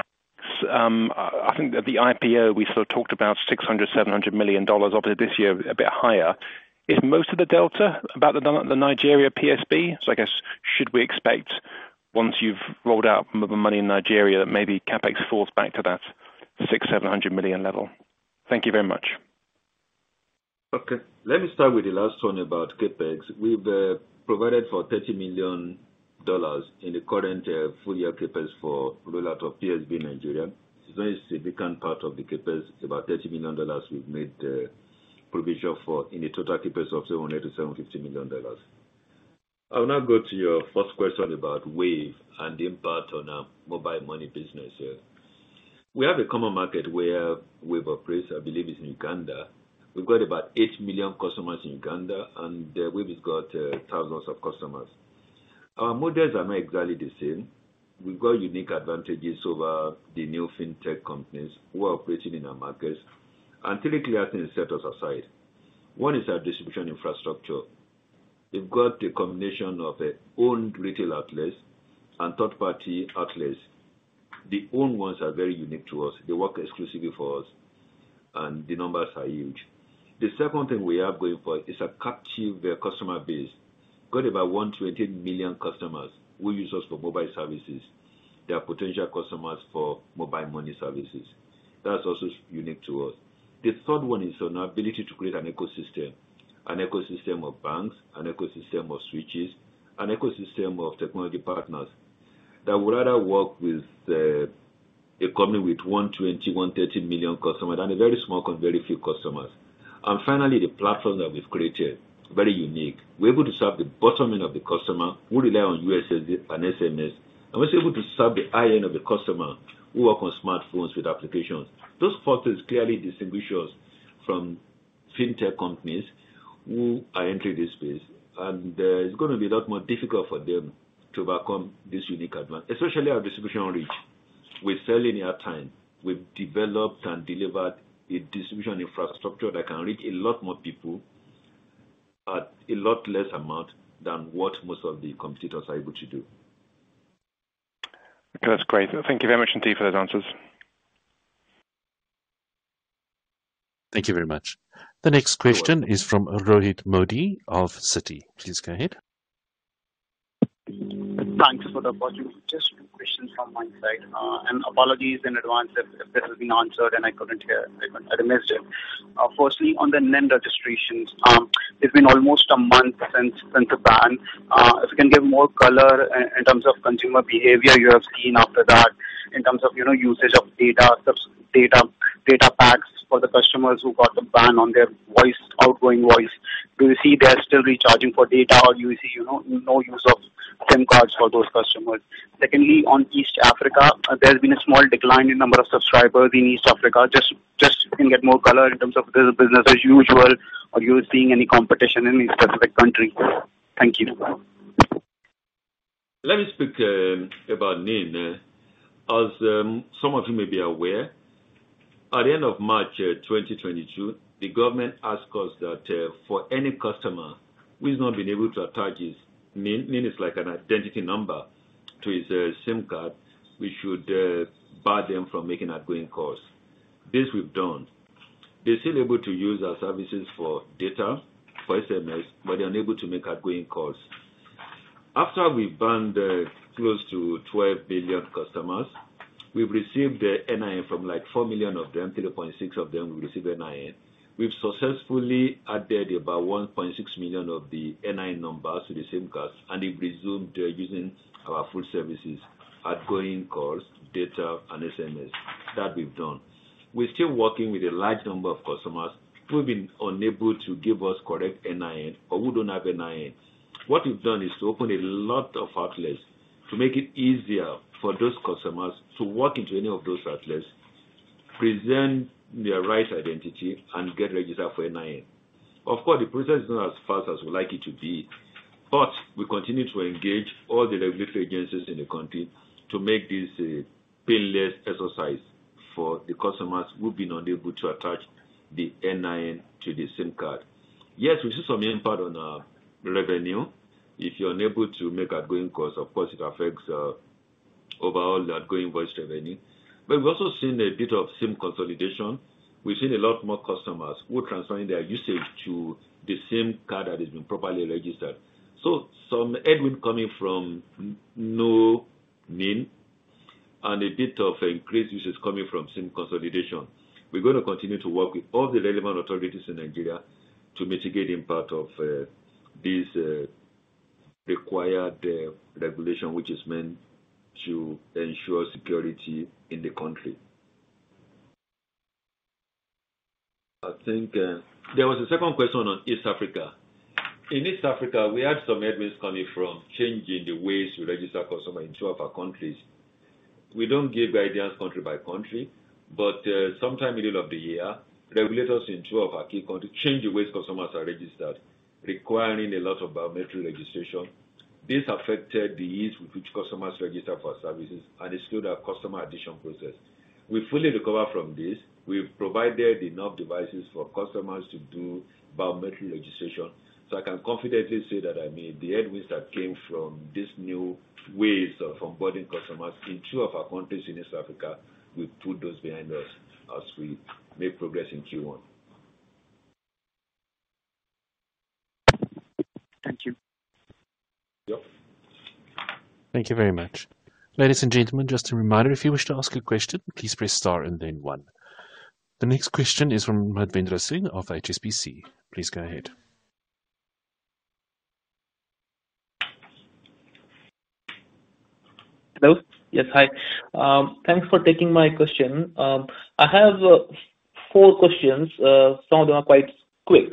I think at the IPO, we sort of talked about $600 million-$700 million. Obviously this year a bit higher. Is most of the delta about the Nigeria PSB? I guess should we expect once you've rolled out mobile money in Nigeria, that maybe CapEx falls back to that $600 million-$700 million level? Thank you very much. Okay. Let me start with the last one about CapEx. We've provided for $30 million in the current full year CapEx for rollout of PSB Nigeria. It's a very significant part of the CapEx. About $30 million we've made provision for in the total CapEx of $700 million-$750 million. I'll now go to your first question about Wave and the impact on our Mobile Money business, yeah. We have a common market where Wave operates, I believe it's in Uganda. We've got about 8 million customers in Uganda, and Wave has got thousands of customers. Our models are not exactly the same. We've got unique advantages over the new FinTech companies who are operating in our markets, and three clear things set us apart. One is our distribution infrastructure. We've got a combination of owned retail outlets and third-party outlets. The owned ones are very unique to us. They work exclusively for us, and the numbers are huge. The second thing we have going for is a captive customer base. Got about 120 million customers who use us for mobile services. They are potential customers for mobile money services. That's also unique to us. The third one is on our ability to create an ecosystem. An ecosystem of banks, an ecosystem of switches, an ecosystem of technology partners that would rather work with a company with 120-130 million customers and a very small company, very few customers. Finally, the platform that we've created, very unique. We're able to serve the bottom end of the customer who rely on USSD and SMS, and we're able to serve the high end of the customer who work on smartphones with applications. Those factors clearly distinguish us from FinTech companies who are entering this space. It's gonna be a lot more difficult for them to overcome this unique advantage, especially our distribution reach. We're still in Airtime. We've developed and delivered a distribution infrastructure that can reach a lot more people at a lot less amount than what most of the competitors are able to do. Okay. That's great. Thank you very much, Segun, for those answers. Thank you very much. The next question is from Rohit Modi of Citi. Please go ahead. Thanks for the opportunity. Just two questions from my side. Apologies in advance if this has been answered and I couldn't hear it, if I missed it. Firstly on the NIN registrations. It's been almost a month since the ban. If you can give more color in terms of consumer behavior you have seen after that, in terms of, you know, usage of data, sub-data, data packs for the customers who got the ban on their voice, outgoing voice. Do you see they are still recharging for data or you see, you know, no use of SIM cards for those customers? Secondly, on East Africa, there's been a small decline in number of subscribers in East Africa. Just if you can get more color in terms of the business as usual, are you seeing any competition in these specific countries? Thank you. Let me speak about NIN. As some of you may be aware, at the end of March 2022, the government asked us that for any customer who has not been able to attach his NIN is like an identity number, to his SIM card, we should bar them from making outgoing calls. This we've done. They're still able to use our services for data, for SMS, but they're unable to make outgoing calls. After we banned close to 12 million customers, we've received the NIN from like 4 million of them, 3.6 million of them. We've successfully added about 1.6 million of the NIN numbers to the SIM cards, and they've resumed their using our full services, outgoing calls, data and SMS. That we've done. We're still working with a large number of customers who've been unable to give us correct NIN or who don't have NIN. What we've done is to open a lot of outlets to make it easier for those customers to walk into any of those outlets, present their right identity and get registered for NIN. Of course, the process is not as fast as we'd like it to be, but we continue to engage all the regulatory agencies in the country to make this a painless exercise for the customers who've been unable to attach the NIN to the SIM card. Yes, we see some impact on our revenue. If you're unable to make outgoing calls, of course it affects overall outgoing voice revenue. But we've also seen a bit of SIM consolidation. We've seen a lot more customers who are transferring their usage to the SIM card that has been properly registered. Some headroom coming from non-NIN and a bit of increased usage coming from SIM consolidation. We're gonna continue to work with all the relevant authorities in Nigeria to mitigate impact of this required regulation which is meant to ensure security in the country. I think there was a second question on East Africa. In East Africa we had some headwinds coming from change in the ways we register customers in two of our countries. We don't give guidance country by country, but sometime middle of the year, regulators in two of our key countries changed the way customers are registered, requiring a lot of biometric registration. This affected the ease with which customers register for our services and slowed our customer addition process. We've fully recovered from this. We've provided enough devices for customers to do biometric registration, so I can confidently say that, I mean, the headwinds that came from these new ways of onboarding customers in two of our countries in East Africa, we've put those behind us as we made progress in Q1. Thank you. Yep. Thank you very much. Ladies and gentlemen, just a reminder, if you wish to ask a question, please press star and then one. The next question is from Madhvendra Singh of HSBC. Please go ahead. Hello. Yes. Hi. Thanks for taking my question. I have four questions. Some of them are quite quick,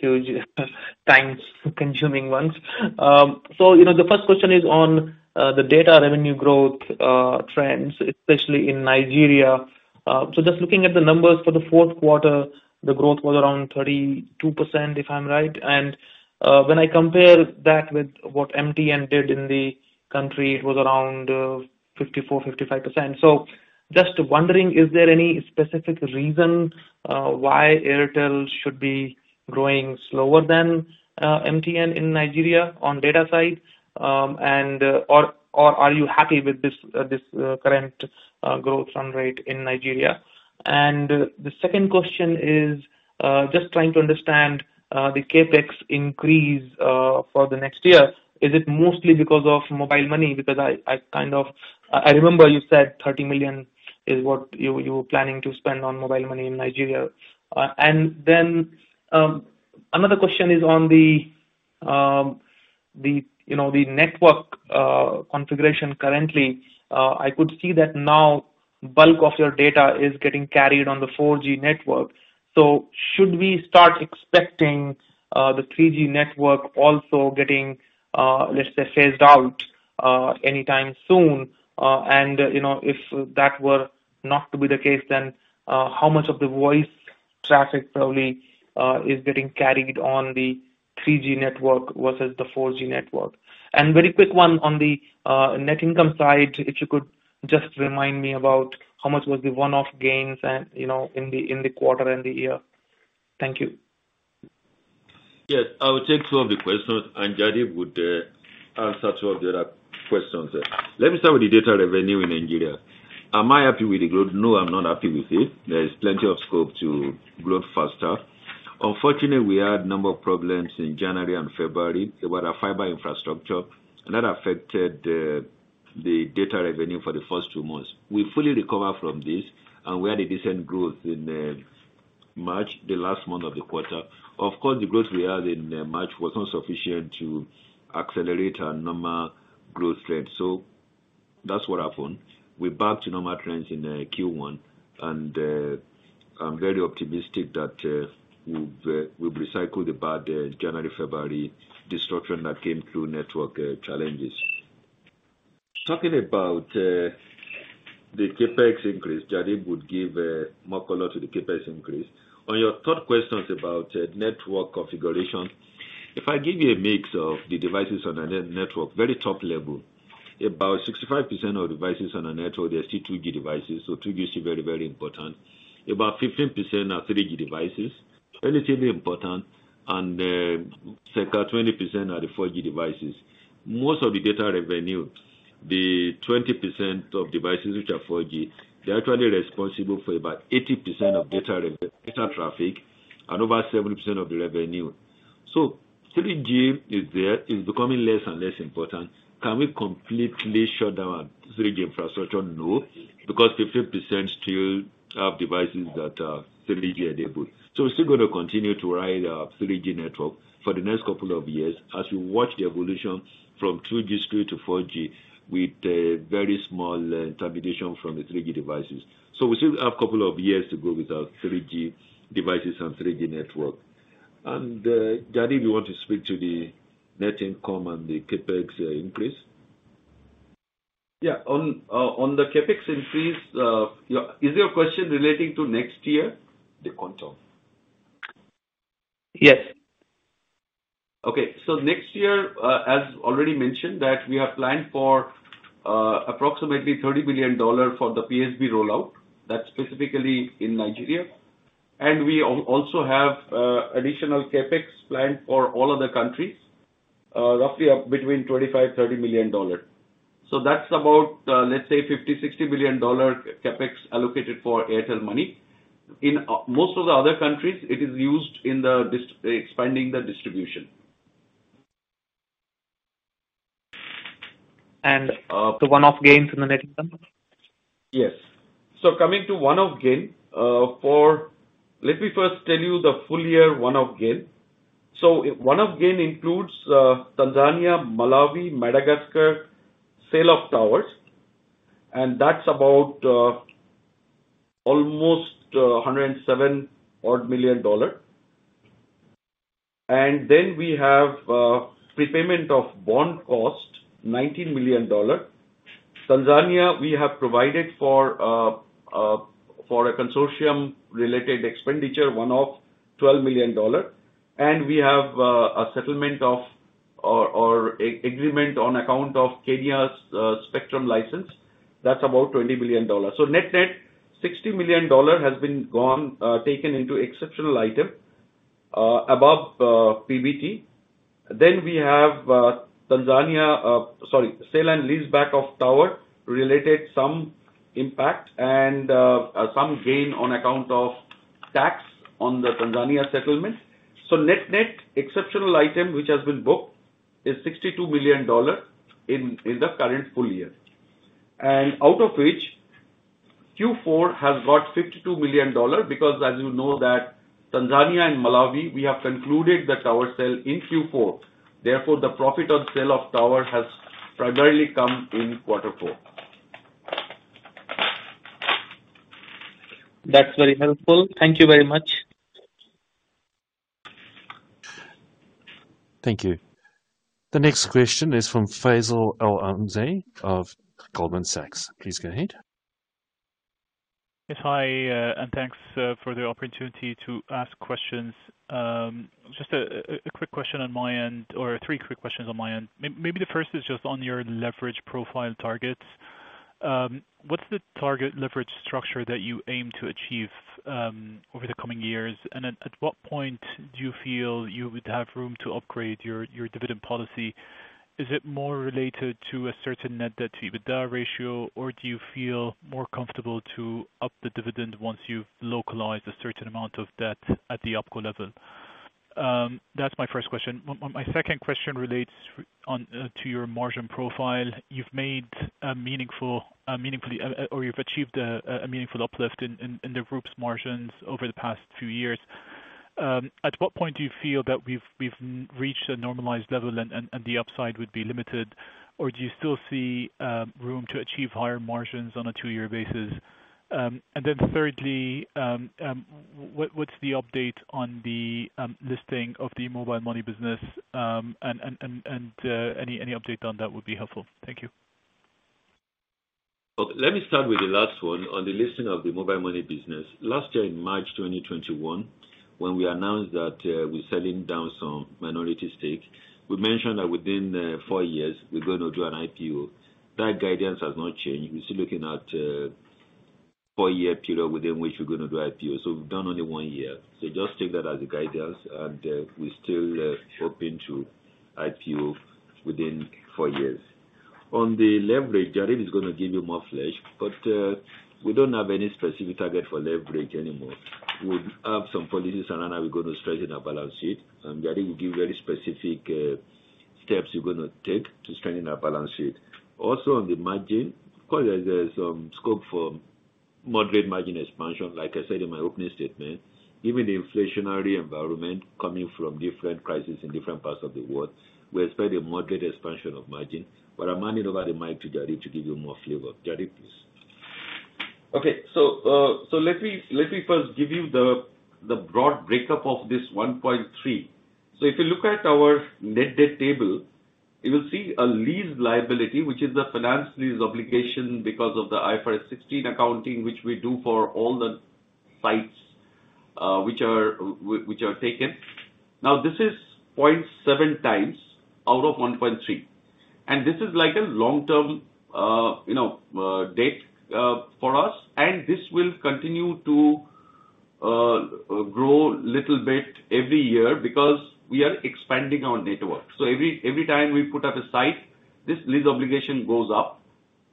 so shouldn't be huge time-consuming ones. You know, the first question is on the data revenue growth trends, especially in Nigeria. Just looking at the numbers for the fourth quarter, the growth was around 32% if I'm right. When I compare that with what MTN did in the country, it was around 54%, 55%. Just wondering, is there any specific reason why Airtel should be growing slower than MTN in Nigeria on data side? Or are you happy with this current growth run rate in Nigeria? The second question is just trying to understand the CapEx increase for the next year. Is it mostly because of Mobile Money? Because I kind of remember you said $30 million is what you were planning to spend on Mobile Money in Nigeria. Another question is on the, you know, the network configuration currently. I could see that now bulk of your data is getting carried on the 4G network. Should we start expecting the 3G network also getting, let's say, phased out anytime soon? You know, if that were not to be the case, then how much of the voice traffic probably is getting carried on the 3G network versus the 4G network? Very quick one on the net income side. If you could just remind me about how much was the one-off gains and, you know, in the quarter and the year. Thank you. Yes, I will take two of the questions, and Jaideep would answer two of the other questions there. Let me start with the data revenue in Nigeria. Am I happy with the growth? No, I'm not happy with it. There is plenty of scope to grow faster. Unfortunately, we had a number of problems in January and February with our fiber infrastructure, and that affected the data revenue for the first two months. We fully recover from this, and we had a decent growth in March, the last month of the quarter. Of course, the growth we had in March was not sufficient to accelerate our normal growth rate. That's what happened. We're back to normal trends in Q1, and I'm very optimistic that we've recycled the bad January, February disruption that came through network challenges. Talking about the CapEx increase, Jaideep would give more color to the CapEx increase. On your third questions about network configuration, if I give you a mix of the devices on a network, very top level, about 65% of devices on a network, they're still 2G devices, so 2G is still very, very important. About 15% are 3G devices, relatively important, and circa 20% are the 4G devices. Most of the data revenue, the 20% of devices which are 4G, they're actually responsible for about 80% of data traffic and over 70% of the revenue. So 3G is there. It's becoming less and less important. Can we completely shut down 3G infrastructure? No, because 15% still have devices that are 3G enabled. We're still gonna continue to ride our 3G network for the next couple of years as we watch the evolution from 2G speed to 4G with a very small termination from the 3G devices. We still have couple of years to go with our 3G devices and 3G network. Jaideep, you want to speak to the net income and the CapEx increase? Yeah. On the CapEx increase, is your question relating to next year, Madhvendra Singh? Yes. Okay. Next year, as already mentioned, that we have planned for approximately $30 billion for the PSB rollout. That's specifically in Nigeria. We also have additional CapEx planned for all other countries, roughly of between $25 million-$30 million. That's about, let's say $50 billion-$60 billion CapEx allocated for Airtel Money. In most of the other countries, it is used in expanding the distribution. The one-off gains in the net income? Yes. Coming to one-off gain. Let me first tell you the full year one-off gain. One-off gain includes Tanzania, Malawi, Madagascar sale of towers, and that's about almost $107 million. We have prepayment of bond cost, $19 million. Tanzania, we have provided for a consortium related expenditure one-off, $12 million. We have a settlement or agreement on account of Kenya's spectrum license. That's about $20 million. Net-net, $60 million has been taken into exceptional item above PBT. We have Tanzania sale and lease back of tower related some impact and some gain on account of tax on the Tanzania settlement. Net-net exceptional item which has been booked is $62 million in the current full year. Out of which Q4 has got $52 million because as you know that Tanzania and Malawi, we have concluded the tower sale in Q4, therefore the profit on sale of tower has primarily come in quarter four. That's very helpful. Thank you very much. Thank you. The next question is from Faisal Al Azmeh of Goldman Sachs. Please go ahead. Yes. Hi, and thanks for the opportunity to ask questions. Just a quick question on my end or three quick questions on my end. Maybe the first is just on your leverage profile targets. What's the target leverage structure that you aim to achieve over the coming years? At what point do you feel you would have room to upgrade your dividend policy? Is it more related to a certain net debt to EBITDA ratio? Or do you feel more comfortable to up the dividend once you've localized a certain amount of debt at the OpCo level? That's my first question. My second question relates to your margin profile. You've achieved a meaningful uplift in the group's margins over the past few years. At what point do you feel that we've reached a normalized level and the upside would be limited, or do you still see room to achieve higher margins on a two-year basis? And then thirdly, what's the update on the listing of the Mobile Money business, and any update on that would be helpful. Thank you. Let me start with the last one on the listing of the Mobile Money business. Last year in March 2021, when we announced that, we're selling down some minority stake, we mentioned that within four years we're gonna do an IPO. That guidance has not changed. We're still looking at four-year period within which we're gonna do IPO, so we've done only one year. Just take that as a guidance and we're still open to IPO within four years. On the leverage, Jaideep is gonna give you more flesh, but we don't have any specific target for leverage anymore. We have some policies on how we're gonna strengthen our balance sheet, and Jaideep will give you very specific steps we're gonna take to strengthen our balance sheet. Also, on the margin, of course, there's some scope for moderate margin expansion, like I said in my opening statement. Given the inflationary environment coming from different crises in different parts of the world, we expect a moderate expansion of margin. I'm handing over the mic to Jaideep to give you more flavor. Jaideep, please. Okay. Let me first give you the broad breakdown of this $1.3. If you look at our net debt table, you will see a lease liability, which is the finance lease obligation because of the IFRS 16 accounting, which we do for all the sites, which are taken. Now, this is 0.7x out of $1.3, and this is like a long-term, you know, debt for us. This will continue to grow little bit every year because we are expanding our network. Every time we put up a site, this lease obligation goes up.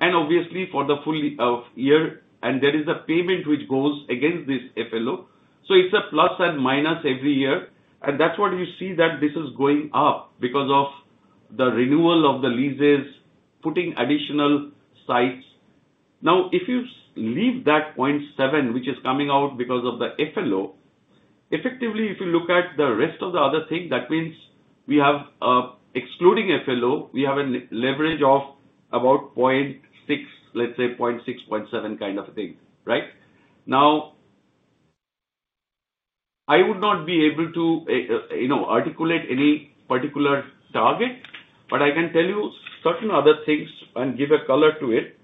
Obviously, for the full year. There is a payment which goes against this FLO, so it's a plus and minus every year. That's what you see that this is going up because of the renewal of the leases, putting additional sites. Now, if you leave that 0.7x, which is coming out because of the FLO, effectively, if you look at the rest of the other thing, that means we have, excluding FLO, we have a leverage of about 0.6x, let's say, 0.6x-0.7x kind of a thing, right? Now, I would not be able to, you know, articulate any particular target, but I can tell you certain other things and give a color to it.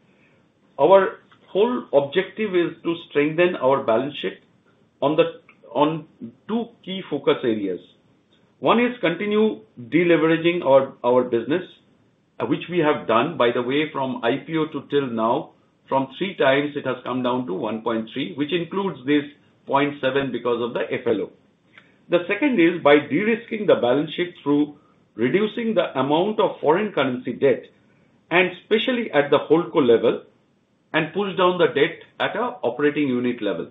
Our whole objective is to strengthen our balance sheet on two key focus areas. One is continue deleveraging our business, which we have done, by the way, from IPO till now. From 3x it has come down to 1.3x, which includes this 0.7x because of the FLO. The second is by de-risking the balance sheet through reducing the amount of foreign currency debt, and especially at the HoldCo level, and push down the debt at a operating unit level.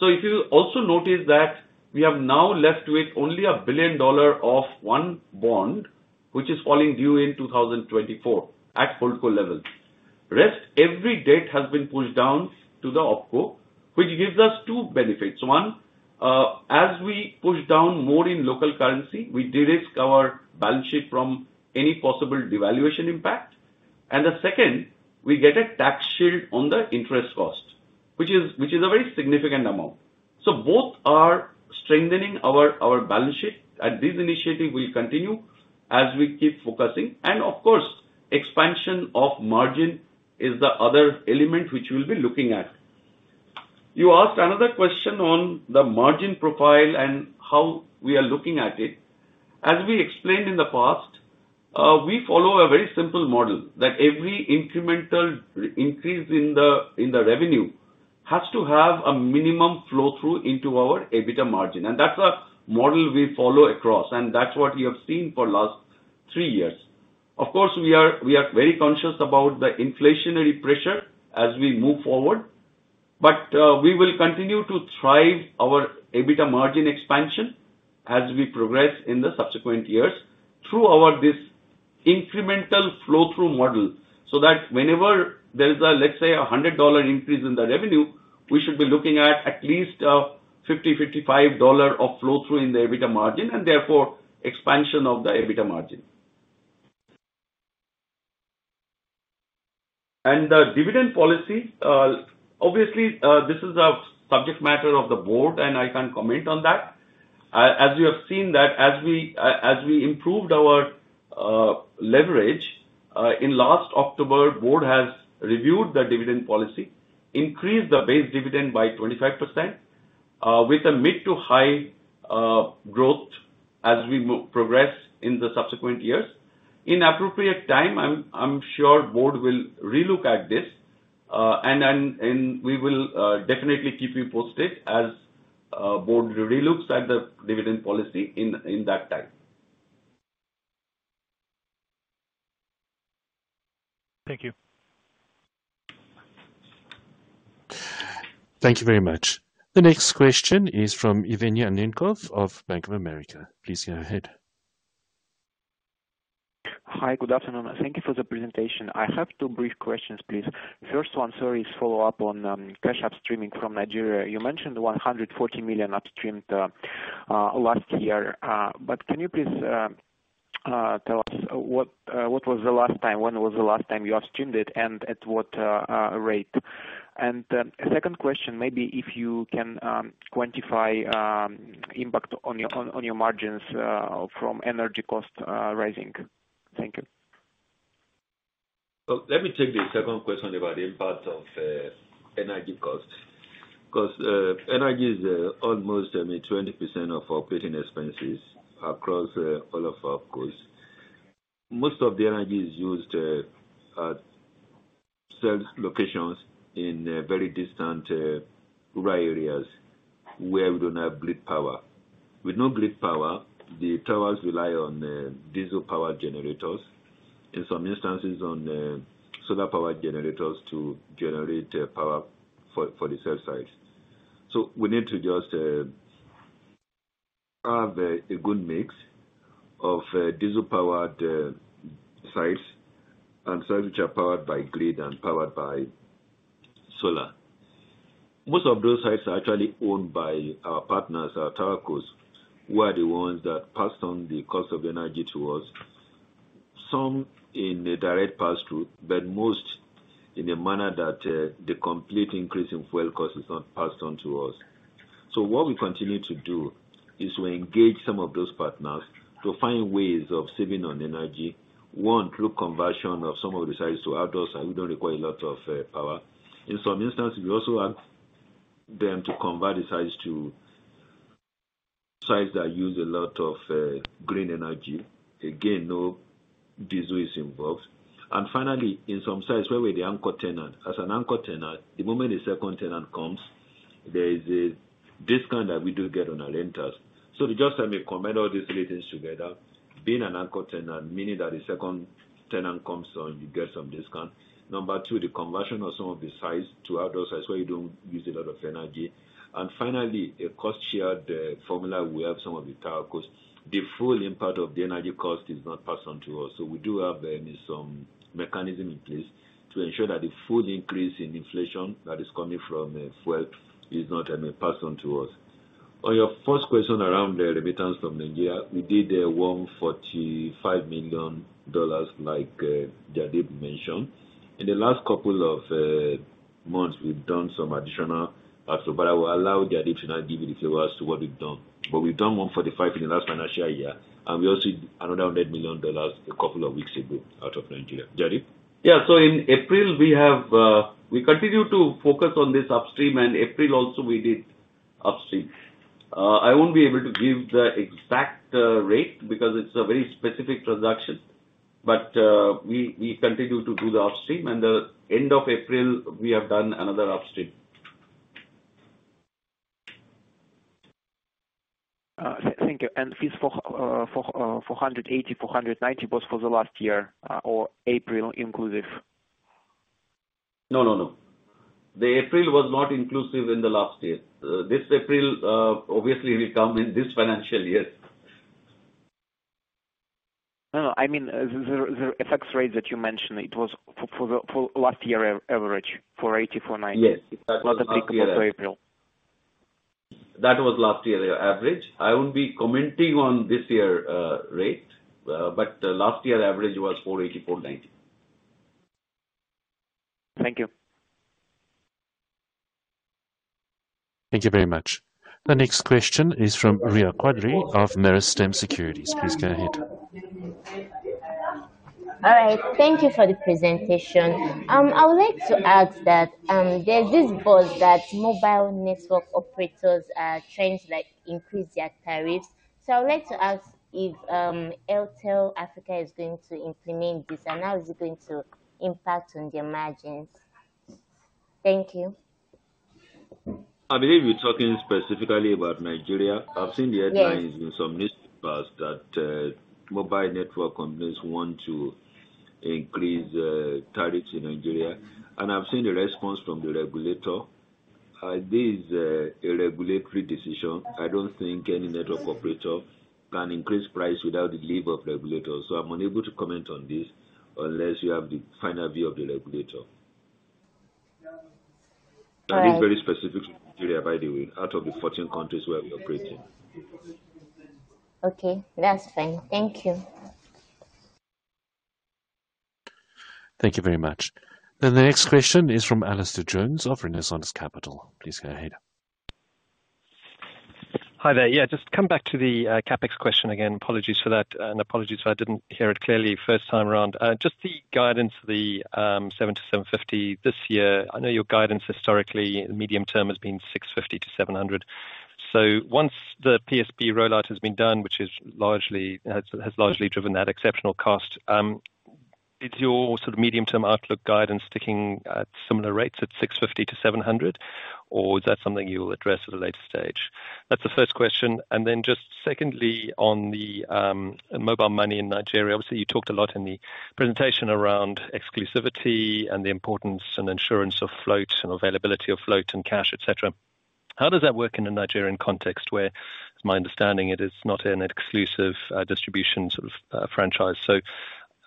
If you'll also notice that we have now left with only $1 billion of one bond, which is falling due in 2024 at HoldCo level. Rest, every debt has been pushed down to the OpCo, which gives us two benefits. One, as we push down more in local currency, we de-risk our balance sheet from any possible devaluation impact. The second, we get a tax shield on the interest cost, which is, which is a very significant amount. Both are strengthening our balance sheet, and this initiative will continue as we keep focusing. Of course, expansion of margin is the other element which we'll be looking at. You asked another question on the margin profile and how we are looking at it. As we explained in the past, we follow a very simple model, that every incremental increase in the revenue has to have a minimum flow through into our EBITDA margin. That's a model we follow across, and that's what you have seen for last three years. Of course, we are very conscious about the inflationary pressure as we move forward. We will continue to drive our EBITDA margin expansion as we progress in the subsequent years through our this incremental flow-through model, so that whenever there's a, let's say, $100 increase in the revenue, we should be looking at at least $50-$55 of flow through in the EBITDA margin, and therefore expansion of the EBITDA margin. The dividend policy, obviously, this is a subject matter of the board, and I can't comment on that. As you have seen that as we improved our leverage in last October, board has reviewed the dividend policy, increased the base dividend by 25%, with a mid- to high- growth as we progress in the subsequent years. In appropriate time, I'm sure board will relook at this, and then we will definitely keep you posted as board relooks at the dividend policy in that time. Thank you. Thank you very much. The next question is from Evgenii Annenkov of Bank of America. Please go ahead. Hi, good afternoon. Thank you for the presentation. I have two brief questions, please. First one, sorry, is follow up on cash upstreaming from Nigeria. You mentioned $140 million upstreamed last year. But can you please tell us what was the last time you upstreamed it and at what rate? Second question, maybe if you can quantify impact on your margins from energy costs rising. Thank you. Let me take the second question about the impact of energy costs. Because energy is almost, I mean, 20% of operating expenses across all of our cos. Most of the energy is used at site locations in very distant rural areas where we don't have grid power. With no grid power, the towers rely on diesel power generators, in some instances on solar power generators to generate power for the cell sites. We need to just have a good mix of diesel powered sites and sites which are powered by grid and powered by solar. Most of those sites are actually owned by our partners, our tower cos, who are the ones that pass on the cost of energy to us. Some in a direct pass-through, but most in a manner that the complete increase in fuel cost is not passed on to us. What we continue to do is we engage some of those partners to find ways of saving on energy. One, through conversion of some of the sites to outdoor sites that don't require a lot of power. In some instances, we also ask them to convert the sites to sites that use a lot of green energy. Again, no diesel is involved. Finally, in some sites where we're the anchor tenant. As an anchor tenant, the moment the second tenant comes, there is a discount that we do get on our rent. To just, I mean, combine all these three things together, being an anchor tenant, meaning that the second tenant comes on, you get some discount. Number two, the conversion of some of the sites to outdoor sites where you don't use a lot of energy. Finally, a cost shared formula. We have some of the tower costs. The full impact of the energy cost is not passed on to us, so we do have, I mean, some mechanism in place to ensure that the full increase in inflation that is coming from fuel is not, I mean, passed on to us. On your first question around the remittance from Nigeria, we did $145 million like Jaideep mentioned. In the last couple of months we've done some additional, but I will allow Jaideep to now give you the figure as to what we've done. We've done $145 million in the last financial year, and we also did another $100 million a couple of weeks ago out of Nigeria. Jaideep? Yeah. In April we continue to focus on this upstream, and April also we did upstream. I won't be able to give the exact rate because it's a very specific transaction, but we continue to do the upstream and the end of April we have done another upstream. Thank you. Fees for 480-490 was for the last year or April inclusive? No, no. The April was not inclusive in the last year. This April obviously will come in this financial year. No, no. I mean, the FX rate that you mentioned, it was for last year average, 480-490. Yes. That was last year. Was applicable for April. That was last year average. I won't be commenting on this year rate, but last year average was 480-490 NGN. Thank you. Thank you very much. The next question is from Ria Quadri of Meristem Securities. Please go ahead. All right. Thank you for the presentation. I would like to ask that, there's this buzz that mobile network operators are trying to like increase their tariffs. I would like to ask if Airtel Africa is going to implement this, and how is it going to impact on your margins? Thank you. I believe you're talking specifically about Nigeria. Yes. I've seen the headlines in some newspapers that mobile network operators want to increase tariffs in Nigeria, and I've seen the response from the regulator. This is a regulatory decision. I don't think any network operator can increase price without the leave of regulators. I'm unable to comment on this unless you have the final view of the regulator. All right. It's very specific to Nigeria by the way, out of the 14 countries where we operate in. Okay. That's fine. Thank you. Thank you very much. The next question is from Alastair Jones of Renaissance Capital. Please go ahead. Hi there. Just come back to the CapEx question again. Apologies for that and apologies if I didn't hear it clearly first time around. Just the guidance for the $700 million-$750 million this year. I know your guidance historically in the medium term has been $650 million-$700 million. Once the PSB rollout has been done, which has largely driven that exceptional cost, is your sort of medium-term outlook guidance sticking at similar rates at $650 million-$700 million? Or is that something you'll address at a later stage? That's the first question. Just secondly, on the mobile money in Nigeria, obviously you talked a lot in the presentation around exclusivity and the importance and insurance of float and availability of float and cash, et cetera. How does that work in a Nigerian context where it's my understanding it is not an exclusive distribution sort of franchise?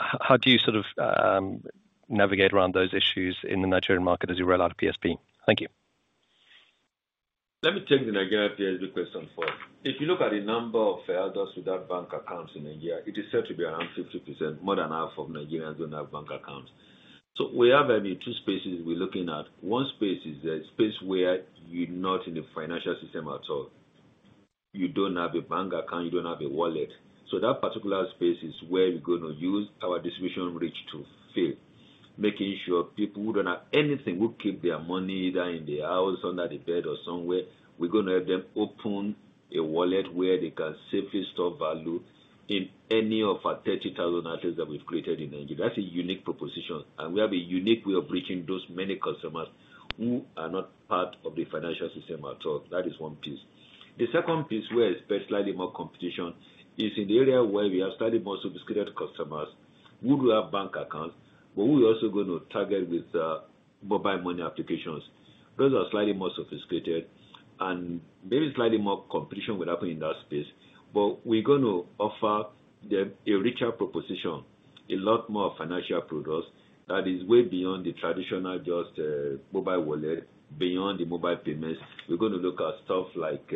How do you sort of navigate around those issues in the Nigerian market as you roll out PSB? Thank you. Let me take the Nigeria PSB question first. If you look at the number of adults without bank accounts in Nigeria, it is said to be around 50%. More than half of Nigerians don't have bank accounts. We have maybe two spaces we're looking at. One space is a space where you're not in the financial system at all. You don't have a bank account, you don't have a wallet. That particular space is where we're gonna use our distribution reach to fill. Making sure people who don't have anything, who keep their money either in their house, under the bed or somewhere, we're gonna have them open a wallet where they can safely store value in any of our 30,000 outlets that we've created in Nigeria. That's a unique proposition, and we have a unique way of reaching those many customers who are not part of the financial system at all. That is one piece. The second piece where I expect slightly more competition is in the area where we have slightly more sophisticated customers who do have bank accounts, but who we're also gonna target with mobile money applications. Those are slightly more sophisticated and maybe slightly more competition will happen in that space. We're going to offer them a richer proposition, a lot more financial products that is way beyond the traditional just mobile wallet, beyond the mobile payments. We're gonna look at stuff like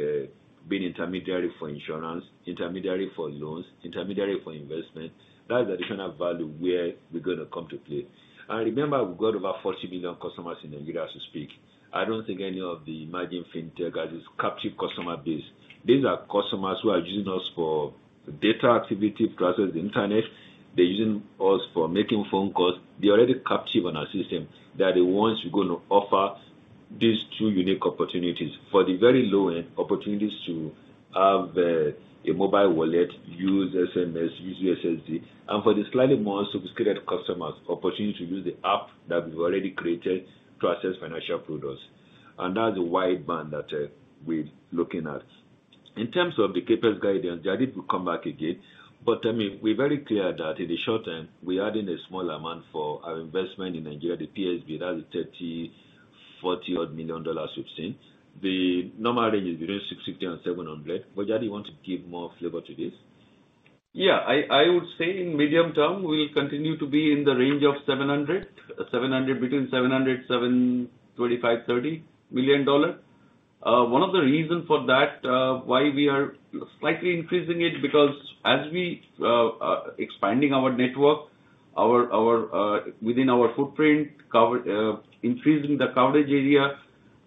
being intermediary for insurance, intermediary for loans, intermediary for investment. That's additional value where we're gonna come to play. Remember, we've got over 40 million customers in Nigeria as we speak. I don't think any of the emerging fintech has this captive customer base. These are customers who are using us for data activity to access the internet. They're using us for making phone calls. They're already captive on our system. They are the ones we're gonna offer these two unique opportunities. For the very low-end, opportunities to have a mobile wallet, use SMS, use USSD. For the slightly more sophisticated customers, opportunity to use the app that we've already created to access financial products. That's the wide band that we're looking at. In terms of the CapEx guidance, Jai, I think we'll come back again. I mean, we're very clear that in the short term, we are adding a small amount for our investment in Nigeria, the PSB. That is $30 million, $40 million we've seen. The normal range is between 650 and 700. Jaideep, do you want to give more flavor to this? Yeah. I would say in medium term we'll continue to be in the range of $700 million. Between $700 million,-$725 million-$730 million. One of the reason for that why we are slightly increasing it, because as we expanding our network within our footprint cover increasing the coverage area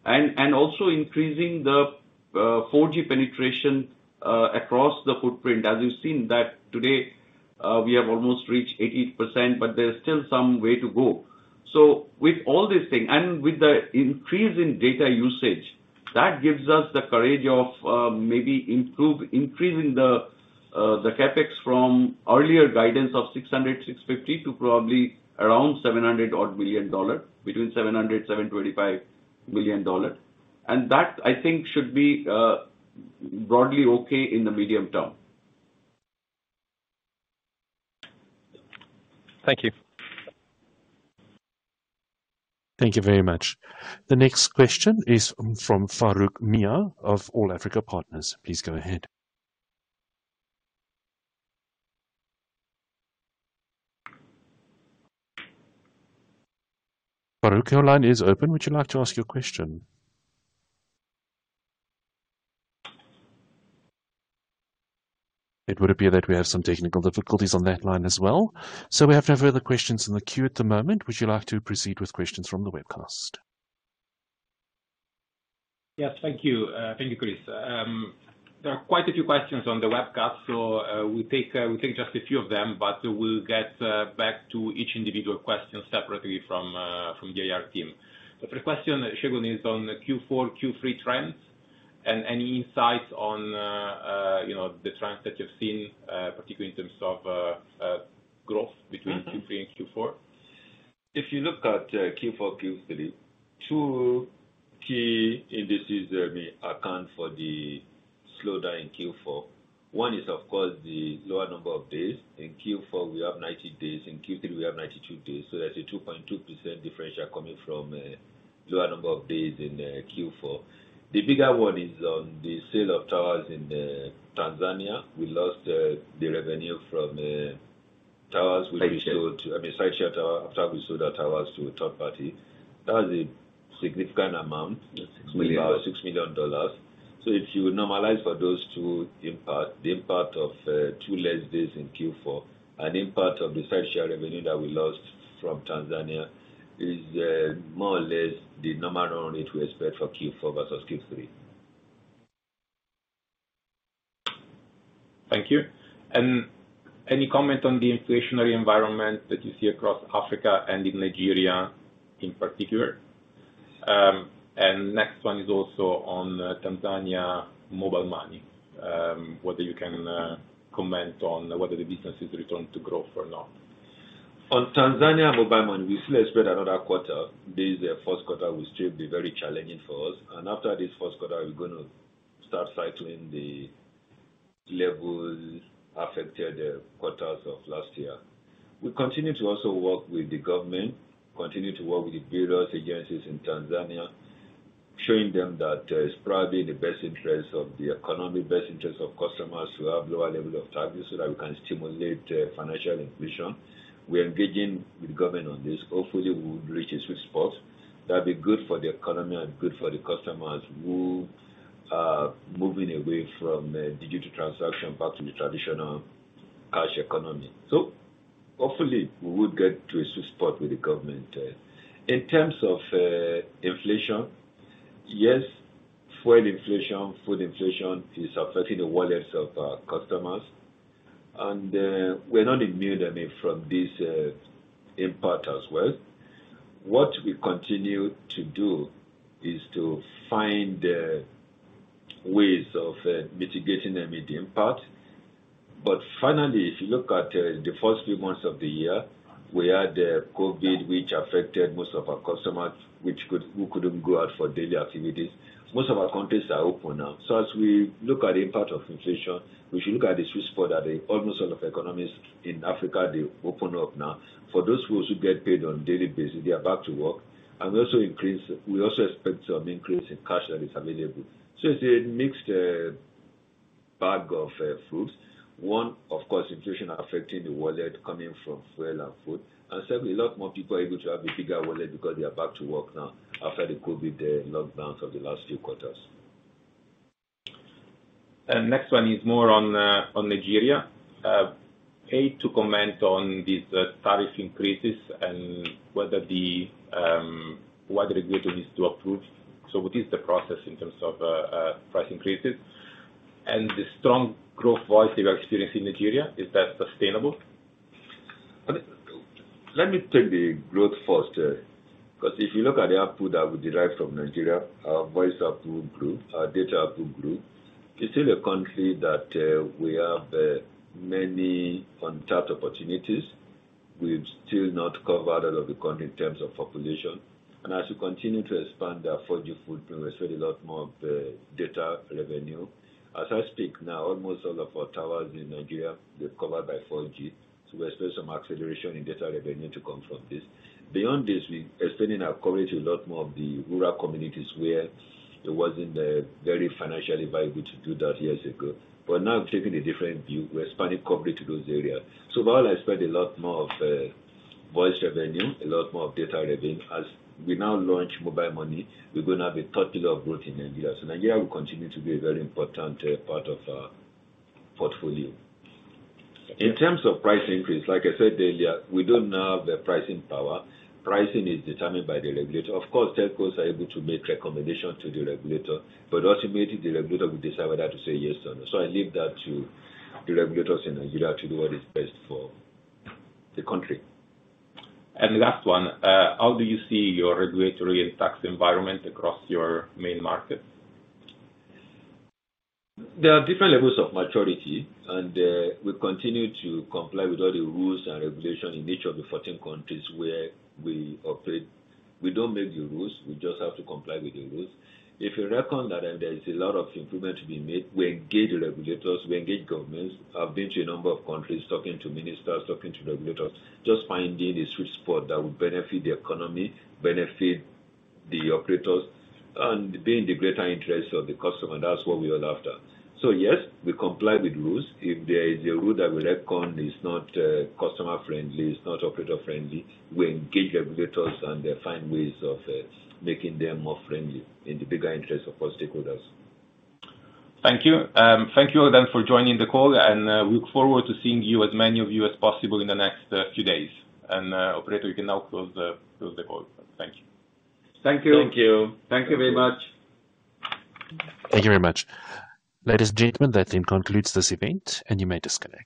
and also increasing the 4G penetration across the footprint. As you've seen that today we have almost reached 80%, but there is still some way to go. With all these things, and with the increase in data usage, that gives us the courage of maybe improve increasing the CapEx from earlier guidance of $600-$650 to probably around $700 odd million. Between $700 million-$725 million. That I think should be broadly okay in the medium term. Thank you. Thank you very much. The next question is from Farouk Miah of All-Africa Partners. Please go ahead. Farouk, your line is open. Would you like to ask your question? It would appear that we have some technical difficulties on that line as well. We have no further questions in the queue at the moment. Would you like to proceed with questions from the webcast? Yes. Thank you. Thank you, Chris. There are quite a few questions on the webcast, so we'll take just a few of them, but we'll get back to each individual question separately from the IR team. The first question, Segun, is on Q3, Q4 trends and any insights on, you know, the trends that you've seen, particularly in terms of growth between Q3 and Q4. If you look at Q4, Q3, two key indices, I mean, account for the slowdown in Q4. One is, of course, the lower number of days. In Q4, we have 90 days, in Q3 we have 92 days. There's a 2.2% differential coming from lower number of days in Q4. The bigger one is on the sale of towers in Tanzania. We lost the revenue from towers which we sold. Site share. I mean, site share tower. After we sold our towers to a third party. That's a significant amount. Yeah. 6 million. $6 million. If you normalize for those two impacts, the impact of two less days in Q4 and impact of the site-sharing revenue that we lost from Tanzania is more or less the normal run rate we expect for Q4 versus Q3. Thank you. Any comment on the inflationary environment that you see across Africa and in Nigeria in particular? Next one is also on Tanzania Mobile Money. Whether you can comment on whether the business is returning to growth or not. On Tanzania Mobile Money, we still expect another quarter. This first quarter will still be very challenging for us. After this first quarter, we're gonna start cycling levels affected the quarters of last year. We continue to also work with the government, continue to work with the various agencies in Tanzania, showing them that it's probably in the best interest of the economy, best interest of customers to have lower level of charges so that we can stimulate financial inclusion. We're engaging with government on this. Hopefully, we'll reach a sweet spot that'll be good for the economy and good for the customers who are moving away from digital transaction back to the traditional cash economy. Hopefully, we would get to a sweet spot with the government. In terms of inflation, yes, fuel inflation, food inflation is affecting the wallets of our customers and we're not immune, I mean, from this impact as well. What we continue to do is to find ways of mitigating any impact. Finally, if you look at the first few months of the year, we had COVID which affected most of our customers, who couldn't go out for daily activities. Most of our countries are open now. As we look at the impact of inflation, we should look at the sweet spot that almost all of economies in Africa, they open up now. For those who also get paid on a daily basis, they are back to work. We also expect some increase in cash that is available. It's a mixed bag of fruits. One, of course, inflation affecting the wallet coming from fuel and food, and certainly a lot more people are able to have a bigger wallet because they are back to work now after the COVID lockdowns of the last few quarters. Next one is more on Nigeria. To comment on these tariff increases and whether the regulator needs to approve. What is the process in terms of price increases? The strong growth in voice you are experiencing in Nigeria, is that sustainable? Let me take the growth first, 'cause if you look at the output that we derive from Nigeria, our voice output grew, our data output grew. It's still a country that we have many untapped opportunities. We've still not covered all of the country in terms of population. As we continue to expand our 4G footprint, we expect a lot more of data revenue. As I speak now, almost all of our towers in Nigeria, they're covered by 4G, so we expect some acceleration in data revenue to come from this. Beyond this, we expanding our coverage a lot more of the rural communities where it wasn't very financially viable to do that years ago. Now we're taking a different view. We're expanding coverage to those areas. While I expect a lot more of voice revenue, a lot more of data revenue, as we now launch Mobile Money, we're gonna have a third pillar of growth in Nigeria. Nigeria will continue to be a very important part of our portfolio. In terms of price increase, like I said earlier, we don't have the pricing power. Pricing is determined by the regulator. Of course, telcos are able to make recommendation to the regulator, but ultimately, the regulator will decide whether to say yes or no. I leave that to the regulators in Nigeria to do what is best for the country. Last one, how do you see your regulatory and tax environment across your main markets? There are different levels of maturity, and we continue to comply with all the rules and regulations in each of the 14 countries where we operate. We don't make the rules, we just have to comply with the rules. If you reckon that then there is a lot of improvement to be made, we engage the regulators, we engage governments. I've been to a number of countries talking to ministers, talking to regulators, just finding a sweet spot that would benefit the economy, benefit the operators, and be in the greater interest of the customer, and that's what we are after. Yes, we comply with rules. If there is a rule that we reckon is not customer friendly, is not operator friendly, we engage regulators and find ways of making them more friendly in the bigger interest of all stakeholders. Thank you. Thank you all then for joining the call, and look forward to seeing you, as many of you as possible in the next few days. Operator, you can now close the call. Thank you. Thank you. Thank you. Thank you very much. Thank you very much. Ladies and gentlemen, that then concludes this event and you may disconnect.